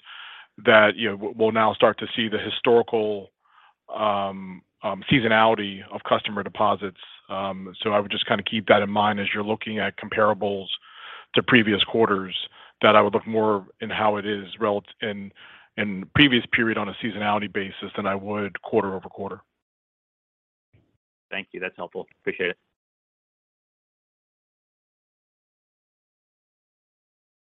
that, you know, we'll now start to see the historical seasonality of customer deposits. I would just kind of keep that in mind as you're looking at comparables to previous quarters that I would look more in how it is relative in previous period on a seasonality basis than I would quarter-over-quarter. Thank you. That's helpful. Appreciate it.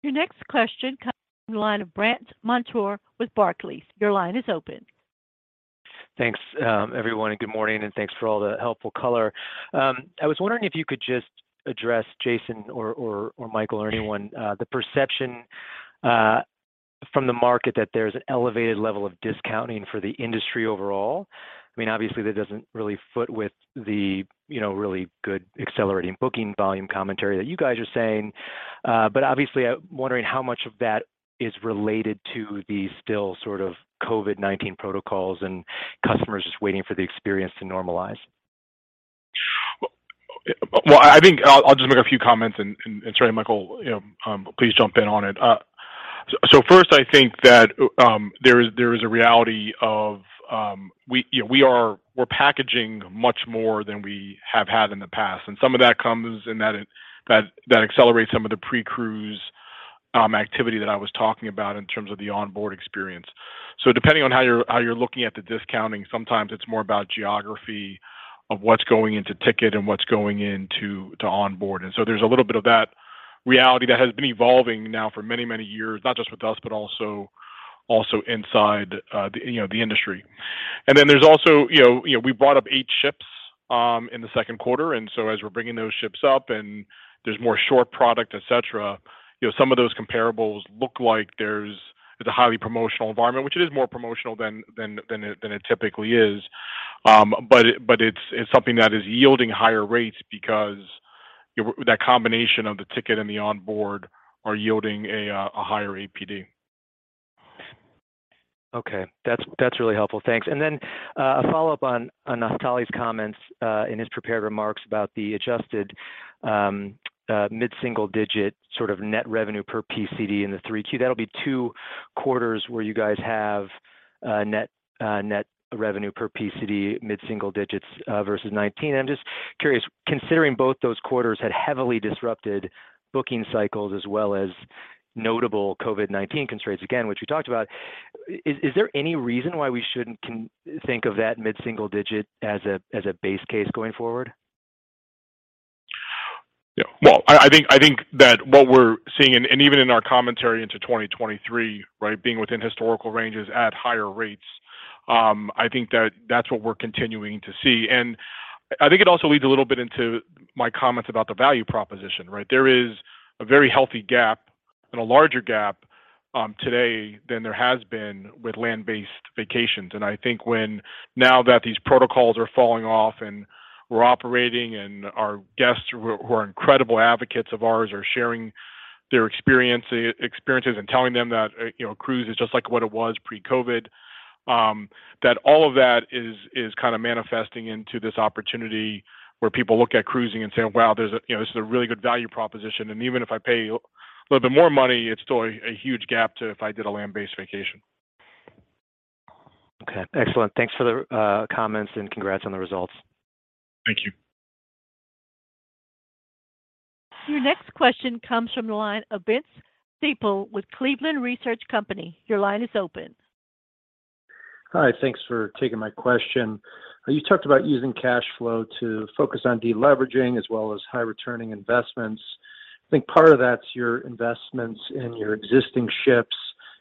Your next question comes from the line of Brandt Montour with Barclays. Your line is open. Thanks, everyone, and good morning, and thanks for all the helpful color. I was wondering if you could just address, Jason or Michael or anyone, the perception from the market that there's an elevated level of discounting for the industry overall. I mean, obviously that doesn't really foot with the, you know, really good accelerating booking volume commentary that you guys are saying. But obviously I'm wondering how much of that is related to the still sort of COVID-19 protocols and customers just waiting for the experience to normalize. Well, I think I'll just make a few comments and sorry, Michael, you know, please jump in on it. First I think that there is a reality, you know, we're packaging much more than we have had in the past, and some of that comes and that accelerates some of the pre-cruise activity that I was talking about in terms of the onboard experience. Depending on how you're looking at the discounting, sometimes it's more about geography of what's going into ticket and what's going into onboard. There's a little bit of that reality that has been evolving now for many years, not just with us, but also inside the, you know, the industry. Then there's also, you know, we brought up eight ships in the second quarter, and so as we're bringing those ships up and there's more short product, et cetera, you know, some of those comparables look like there's. It's a highly promotional environment, which it is more promotional than it typically is. But it's something that is yielding higher rates because that combination of the ticket and the onboard are yielding a higher APD. Okay. That's really helpful. Thanks. A follow-up on Naftali's comments in his prepared remarks about the adjusted mid-single-digit sort of net revenue per PCD in the 3Q. That'll be two quarters where you guys have net revenue per PCD mid-single-digits versus 2019. I'm just curious, considering both those quarters had heavily disrupted booking cycles as well as notable COVID-19 constraints, again, which you talked about, is there any reason why we shouldn't consider that mid-single-digit as a base case going forward? Yeah. Well, I think that what we're seeing and even in our commentary into 2023, right, being within historical ranges at higher rates, I think that that's what we're continuing to see. I think it also leads a little bit into my comments about the value proposition, right? There is a very healthy gap and a larger gap, today than there has been with land-based vacations. I think when now that these protocols are falling off and we're operating and our guests who are incredible advocates of ours are sharing their experiences and telling them that, you know, cruise is just like what it was pre-COVID, that all of that is kind of manifesting into this opportunity where people look at cruising and saying, "Wow, you know, this is a really good value proposition. And even if I pay a little bit more money, it's still a huge gap to if I did a land-based vacation. Okay. Excellent. Thanks for the comments, and congrats on the results. Thank you. Your next question comes from the line of Vince Ciepiel with Cleveland Research Company. Your line is open. Hi. Thanks for taking my question. You talked about using cash flow to focus on deleveraging as well as high returning investments. I think part of that's your investments in your existing ships.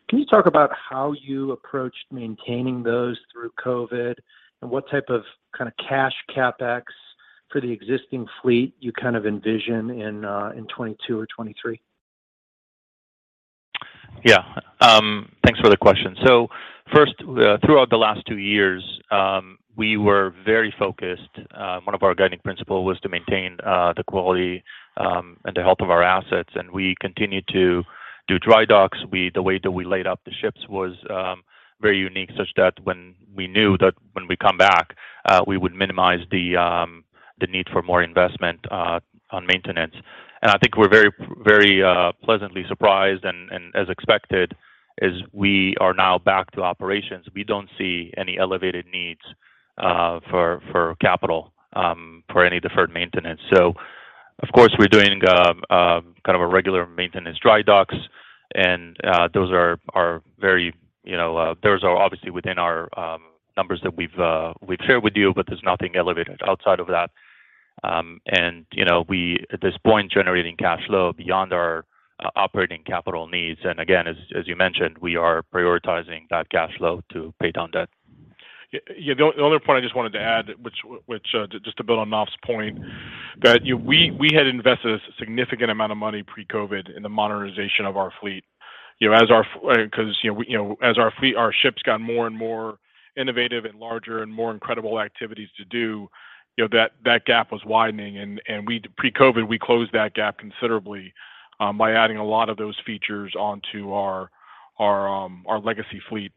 Can you talk about how you approached maintaining those through COVID, and what type of kind of cash CapEx for the existing fleet you kind of envision in 2022 or 2023? Yeah. Thanks for the question. First, throughout the last two years, we were very focused. One of our guiding principle was to maintain the quality and the health of our assets, and we continued to do dry docks. The way that we laid up the ships was very unique such that when we knew that when we come back, we would minimize the need for more investment on maintenance. I think we're very pleasantly surprised and as expected, as we are now back to operations, we don't see any elevated needs for capital for any deferred maintenance. Of course, we're doing kind of a regular maintenance dry docks, and those are very, you know, obviously within our numbers that we've shared with you, but there's nothing elevated outside of that. You know, we at this point generating cash flow beyond our operating capital needs. Again, as you mentioned, we are prioritizing that cash flow to pay down debt. Yeah. The other point I just wanted to add, which just to build on Naf's point, that you know, we had invested a significant amount of money pre-COVID in the modernization of our fleet. You know, because you know, as our fleet, our ships got more and more innovative and larger and more incredible activities to do, you know, that gap was widening. pre-COVID, we closed that gap considerably by adding a lot of those features onto our legacy fleet.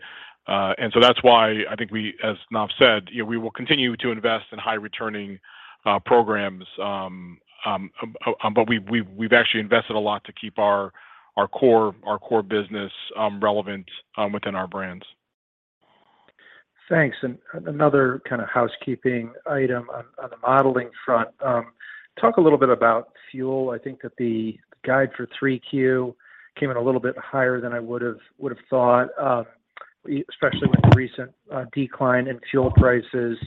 That's why I think we, as Naf said, you know, we will continue to invest in high returning programs, but we've actually invested a lot to keep our core business relevant within our brands. Thanks. Another kind of housekeeping item on the modeling front. Talk a little bit about fuel. I think that the guide for 3Q came in a little bit higher than I would've thought, especially with the recent decline in fuel prices.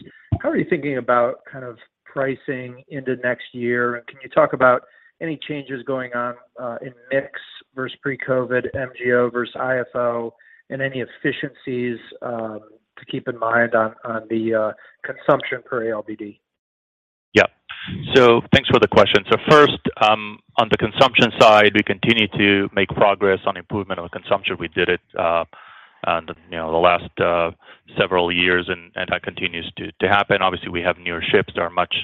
How are you thinking about kind of pricing into next year? Can you talk about any changes going on in mix versus pre-COVID, MGO versus IFO, and any efficiencies to keep in mind on the consumption per ALBD? Yeah. Thanks for the question. First, on the consumption side, we continue to make progress on improvement on consumption. We did it, and, you know, the last several years, and that continues to happen. Obviously, we have newer ships that are much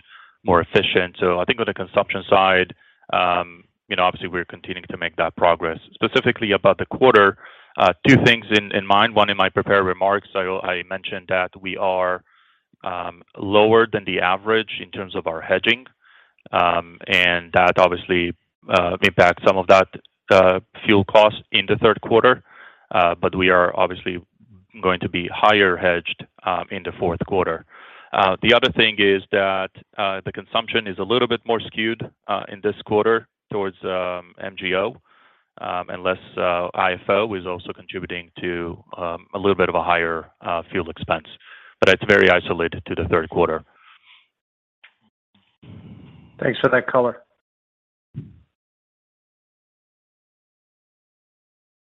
more efficient. I think on the consumption side, you know, obviously we're continuing to make that progress. Specifically about the quarter, two things in mind. One, in my prepared remarks, I mentioned that we are lower than the average in terms of our hedging. And that obviously impacts some of that fuel cost in the third quarter. But we are obviously going to be higher hedged in the fourth quarter. The other thing is that the consumption is a little bit more skewed in this quarter towards MGO and less IFO is also contributing to a little bit of a higher fuel expense. But it's very isolated to the third quarter. Thanks for that color.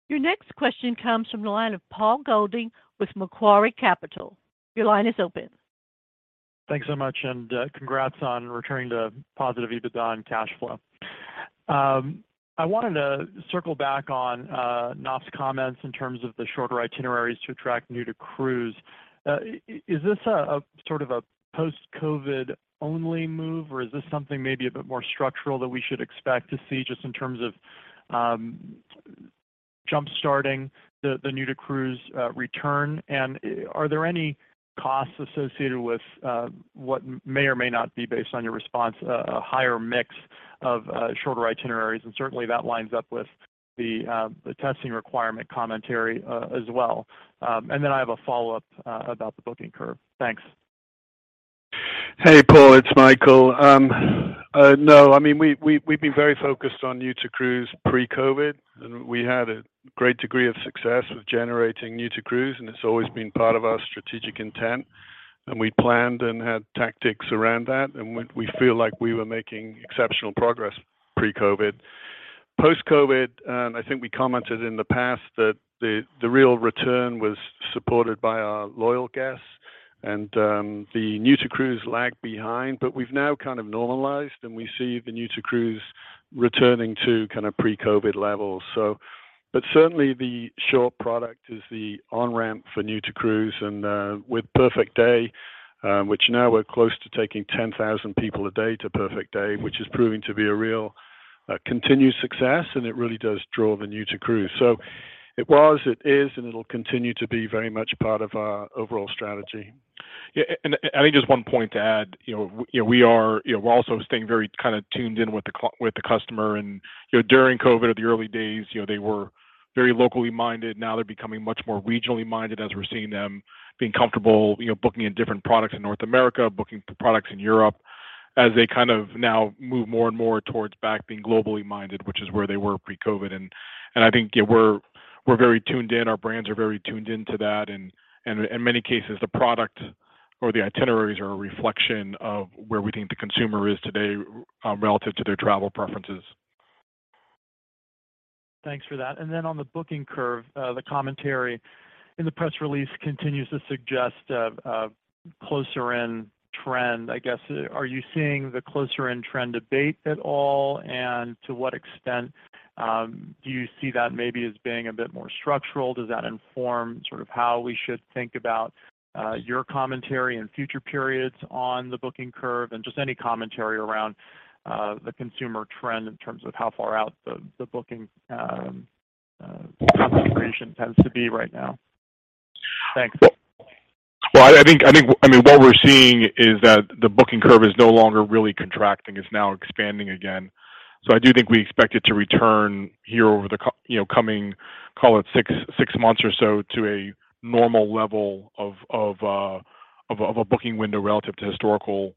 Your next question comes from the line of Paul Golding with Macquarie Capital. Your line is open. Thanks so much and congrats on returning to positive EBITDA and cash flow. I wanted to circle back on Naf's comments in terms of the shorter itineraries to attract new to cruise. Is this a sort of post-COVID only move, or is this something maybe a bit more structural that we should expect to see just in terms of jump-starting the new to cruise return? Are there any costs associated with what may or may not be based on your response, a higher mix of shorter itineraries? Certainly that lines up with the testing requirement commentary as well. I have a follow-up about the booking curve. Thanks. Hey, Paul. It's Michael. I mean, we've been very focused on new to cruise pre-COVID, and we had a great degree of success with generating new to cruise, and it's always been part of our strategic intent. We planned and had tactics around that, and we feel like we were making exceptional progress pre-COVID. Post-COVID, I think we commented in the past that the real return was supported by our loyal guests and the new to cruise lagged behind. We've now kind of normalized, and we see the new to cruise returning to kind of pre-COVID levels. Certainly the short product is the on-ramp for new to cruise. with Perfect Day, which now we're close to taking 10,000 people a day to Perfect Day, which is proving to be a real continued success, and it really does draw the new to cruise. It was, it is, and it'll continue to be very much part of our overall strategy. Yeah. I think just one point to add. You know, we're also staying very kind of tuned in with the customer. You know, during COVID or the early days, you know, they were very locally minded. Now they're becoming much more regionally minded as we're seeing them being comfortable, you know, booking in different products in North America, booking products in Europe as they kind of now move more and more towards back being globally minded, which is where they were pre-COVID. I think we're very tuned in. Our brands are very tuned in to that. In many cases, the product or the itineraries are a reflection of where we think the consumer is today, relative to their travel preferences. Thanks for that. On the booking curve, the commentary in the press release continues to suggest a closer-in trend. I guess, are you seeing the closer-in trend abate at all? To what extent do you see that maybe as being a bit more structural? Does that inform sort of how we should think about your commentary in future periods on the booking curve? Just any commentary around the consumer trend in terms of how far out the booking concentration tends to be right now. Thanks. Well, I think, I mean, what we're seeing is that the booking curve is no longer really contracting. It's now expanding again. I do think we expect it to return here over the coming, call it six months or so, to a normal level of a booking window relative to historical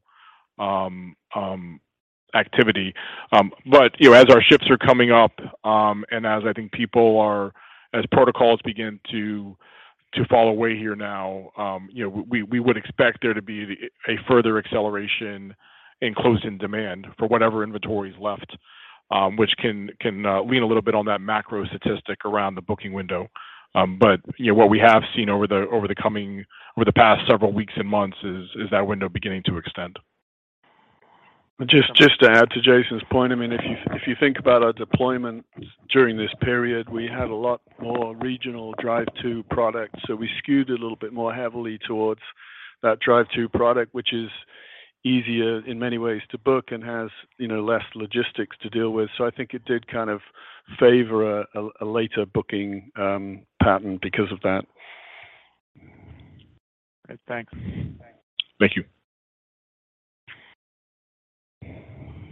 activity. But, you know, as our ships are coming up, and as protocols begin to fall away here now, you know, we would expect there to be a further acceleration in closing demand for whatever inventory is left, which can lean a little bit on that macro statistic around the booking window. You know, what we have seen over the past several weeks and months is that window beginning to extend. Just to add to Jason's point, I mean, if you think about our deployment during this period, we had a lot more regional drive-to products, so we skewed a little bit more heavily towards that drive-to product, which is easier in many ways to book and has, you know, less logistics to deal with. I think it did kind of favor a later booking pattern because of that. Right. Thanks. Thank you.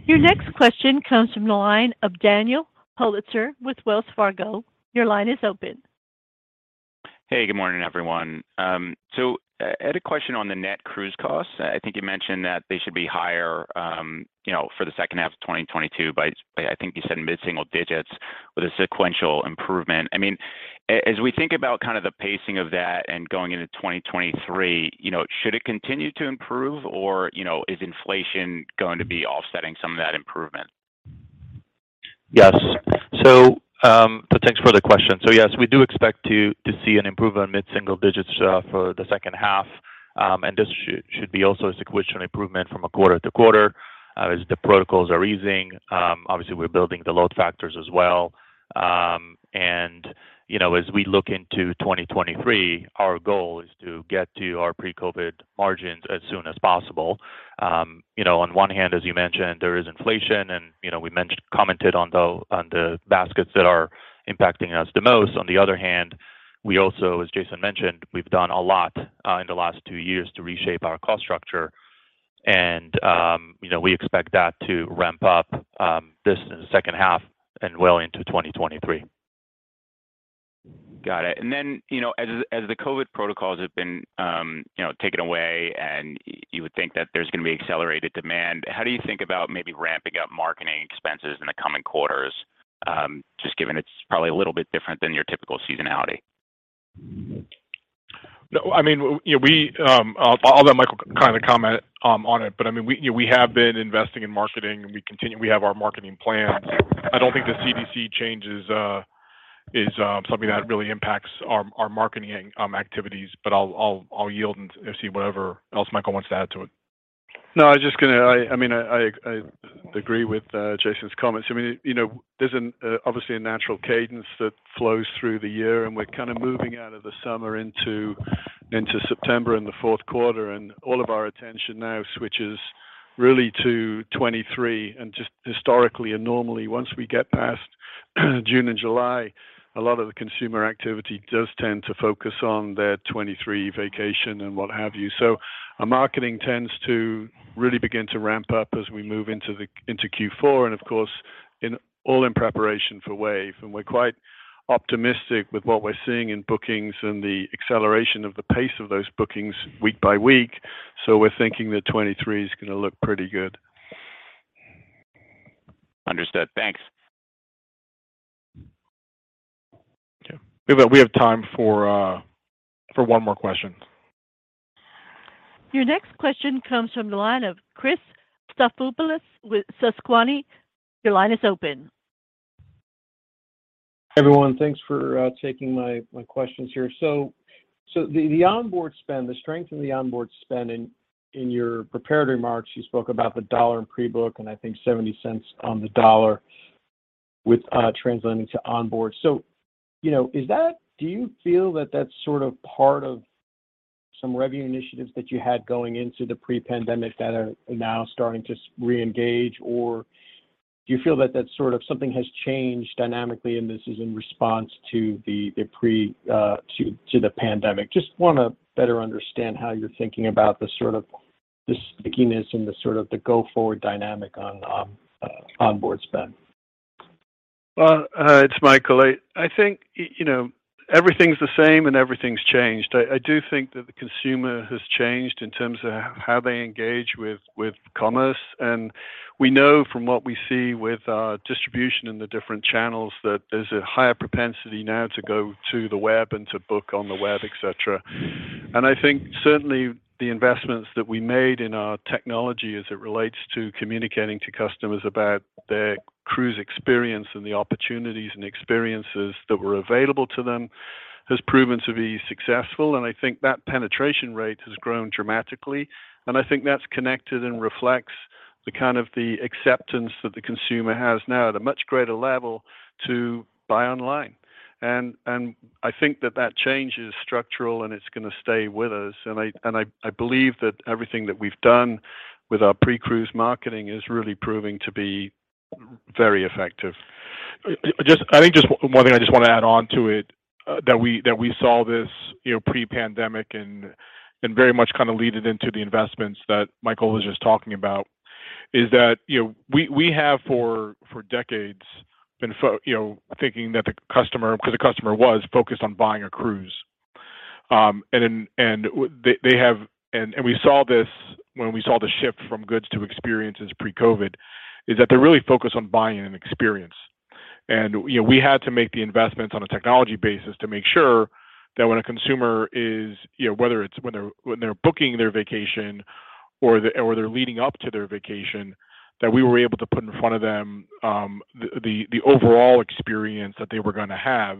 Your next question comes from the line of Daniel Politzer with Wells Fargo. Your line is open. Hey, good morning, everyone. I had a question on the net cruise costs. I think you mentioned that they should be higher, you know, for the second half of 2022 by, I think you said mid-single digits with a sequential improvement. I mean, as we think about kind of the pacing of that and going into 2023, you know, should it continue to improve or, you know, is inflation going to be offsetting some of that improvement? Yes, thanks for the question. Yes, we do expect to see an improvement mid-single digits for the second half, and this should be also a sequential improvement from quarter to quarter as the protocols are easing. Obviously, we're building the load factors as well. You know, as we look into 2023, our goal is to get to our pre-COVID margins as soon as possible. You know, on one hand, as you mentioned, there is inflation, and we commented on the baskets that are impacting us the most. On the other hand, we also, as Jason mentioned, we've done a lot in the last two years to reshape our cost structure, and you know, we expect that to ramp up this second half and well into 2023. Got it. Then, you know, as the COVID protocols have been, you know, taken away and you would think that there's going to be accelerated demand, how do you think about maybe ramping up marketing expenses in the coming quarters, just given it's probably a little bit different than your typical seasonality? No, I mean, you know, I'll let Michael kind of comment on it, but I mean, you know, we have been investing in marketing. We have our marketing plans. I don't think the CDC changes is something that really impacts our marketing activities, but I'll yield and see whatever else Michael wants to add to it. No, I was just gonna. I mean, I agree with Jason's comments. I mean, you know, there's obviously a natural cadence that flows through the year, and we're kind of moving out of the summer into September and the fourth quarter, and all of our attention now switches really to 2023. Just historically and normally, once we get past June and July, a lot of the consumer activity does tend to focus on their 2023 vacation and what have you. Our marketing tends to really begin to ramp up as we move into Q4, and of course, all in preparation for Wave. We're quite optimistic with what we're seeing in bookings and the acceleration of the pace of those bookings week by week. We're thinking that 2023 is gonna look pretty good. Understood. Thanks. Okay. We have time for one more question. Your next question comes from the line of Chris Stathoulopoulos with Susquehanna. Your line is open. Everyone, thanks for taking my questions here. The onboard spend, the strength in the onboard spend in your prepared remarks, you spoke about $1 in pre-book and I think $0.70 on the dollar translating to onboard. You know, is that part of some revenue initiatives that you had going into the pre-pandemic that are now starting to reengage, or do you feel that that's sort of something has changed dynamically and this is in response to the pre-pandemic? Just wanna better understand how you're thinking about the sort of stickiness and the sort of go-forward dynamic on onboard spend. Well, it's Michael. I think, you know, everything's the same and everything's changed. I do think that the consumer has changed in terms of how they engage with commerce. We know from what we see with our distribution in the different channels that there's a higher propensity now to go to the web and to book on the web, et cetera. I think certainly the investments that we made in our technology as it relates to communicating to customers about their cruise experience and the opportunities and experiences that were available to them has proven to be successful. I think that penetration rate has grown dramatically, and I think that's connected and reflects the kind of the acceptance that the consumer has now at a much greater level to buy online. I think that change is structural, and it's gonna stay with us. I believe that everything that we've done with our pre-cruise marketing is really proving to be very effective. I think just one thing I just want to add on to it, that we saw this, you know, pre-pandemic and very much kind of led into the investments that Michael was just talking about is that, you know, we have for decades been, you know, thinking that the customer, because the customer was focused on buying a cruise, and then we saw this when we saw the shift from goods to experiences pre-COVID, is that they're really focused on buying an experience. You know, we had to make the investments on a technology basis to make sure that when a consumer is, you know, whether it's when they're booking their vacation or they're leading up to their vacation, that we were able to put in front of them, the overall experience that they were gonna have.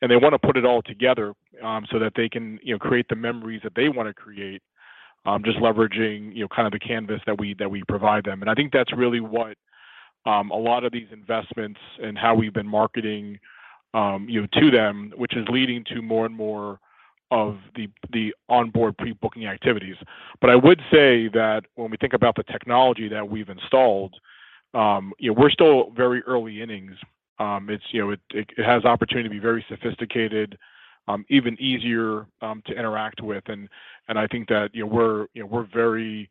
They wanna put it all together, so that they can, you know, create the memories that they wanna create, just leveraging, you know, kind of the canvas that we provide them. I think that's really what a lot of these investments and how we've been marketing, you know, to them, which is leading to more and more of the onboard pre-booking activities. I would say that when we think about the technology that we've installed, you know, we're still very early innings. It's, you know, it has opportunity to be very sophisticated, even easier to interact with. I think that, you know, we're very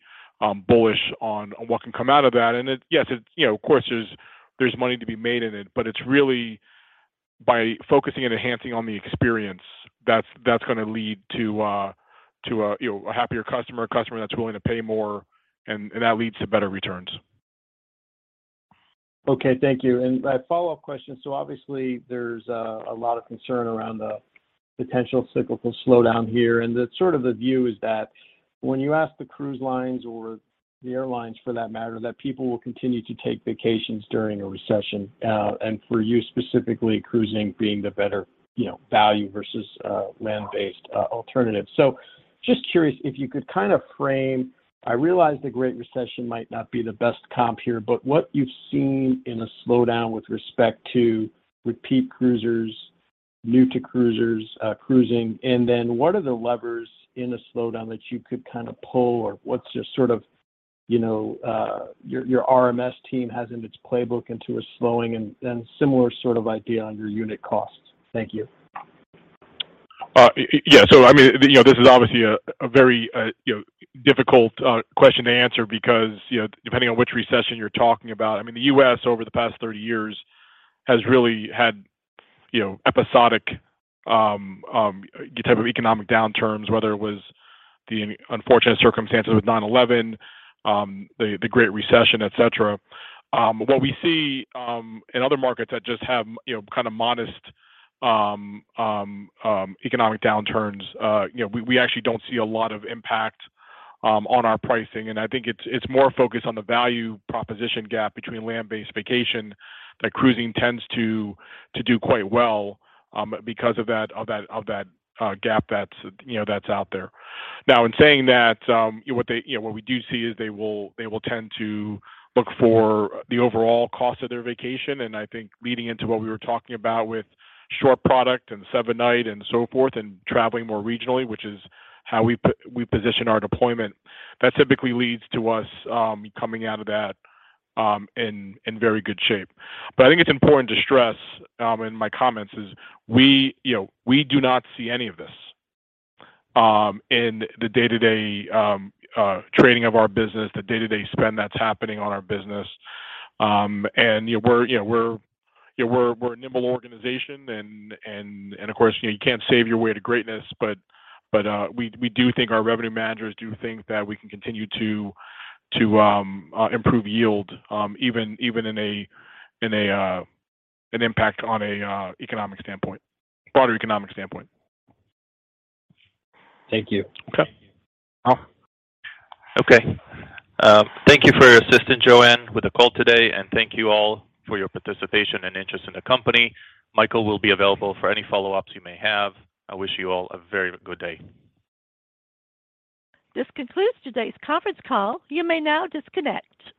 bullish on what can come out of that. Yes, it you know, of course there's money to be made in it, but it's really by focusing and enhancing on the experience, that's gonna lead to a you know, a happier customer, a customer that's willing to pay more, and that leads to better returns. Okay. Thank you. A follow-up question. Obviously there's a lot of concern around the potential cyclical slowdown here. The sort of the view is that when you ask the cruise lines or the airlines for that matter, that people will continue to take vacations during a recession. For you specifically cruising being the better, you know, value versus land-based alternative. Just curious if you could kind of frame. I realize the great recession might not be the best comp here, but what you've seen in a slowdown with respect to repeat cruisers, new to cruisers, cruising, and then what are the levers in a slowdown that you could kind of pull or what's your sort of, you know, your RMS team has in its playbook into a slowing and similar sort of idea on your unit costs. Thank you. Yeah. I mean, you know, this is obviously a very, you know, difficult question to answer because, you know, depending on which recession you're talking about. I mean, the U.S. over the past 30 years has really had, you know, episodic type of economic downturns, whether it was the unfortunate circumstances with 9/11, the Great Recession, et cetera. What we see in other markets that just have, you know, kind of modest economic downturns, you know, we actually don't see a lot of impact on our pricing. I think it's more focused on the value proposition gap between land-based vacation that cruising tends to do quite well because of that gap that's, you know, that's out there. Now in saying that, what they, you know, what we do see is they will tend to look for the overall cost of their vacation. I think leading into what we were talking about with short product and seven night and so forth, and traveling more regionally, which is how we position our deployment, that typically leads to us coming out of that in very good shape. I think it's important to stress in my comments is we, you know, we do not see any of this in the day-to-day trading of our business, the day-to-day spend that's happening on our business. You know, we're a nimble organization. Of course, you know, you can't save your way to greatness, but we do think our revenue managers do think that we can continue to improve yield, even in an impacted broader economic standpoint. Thank you. Okay. Naf. Okay. Thank you for your assistance, Joanne, with the call today, and thank you all for your participation and interest in the company. Michael will be available for any follow-ups you may have. I wish you all a very good day. This concludes today's conference call. You may now disconnect.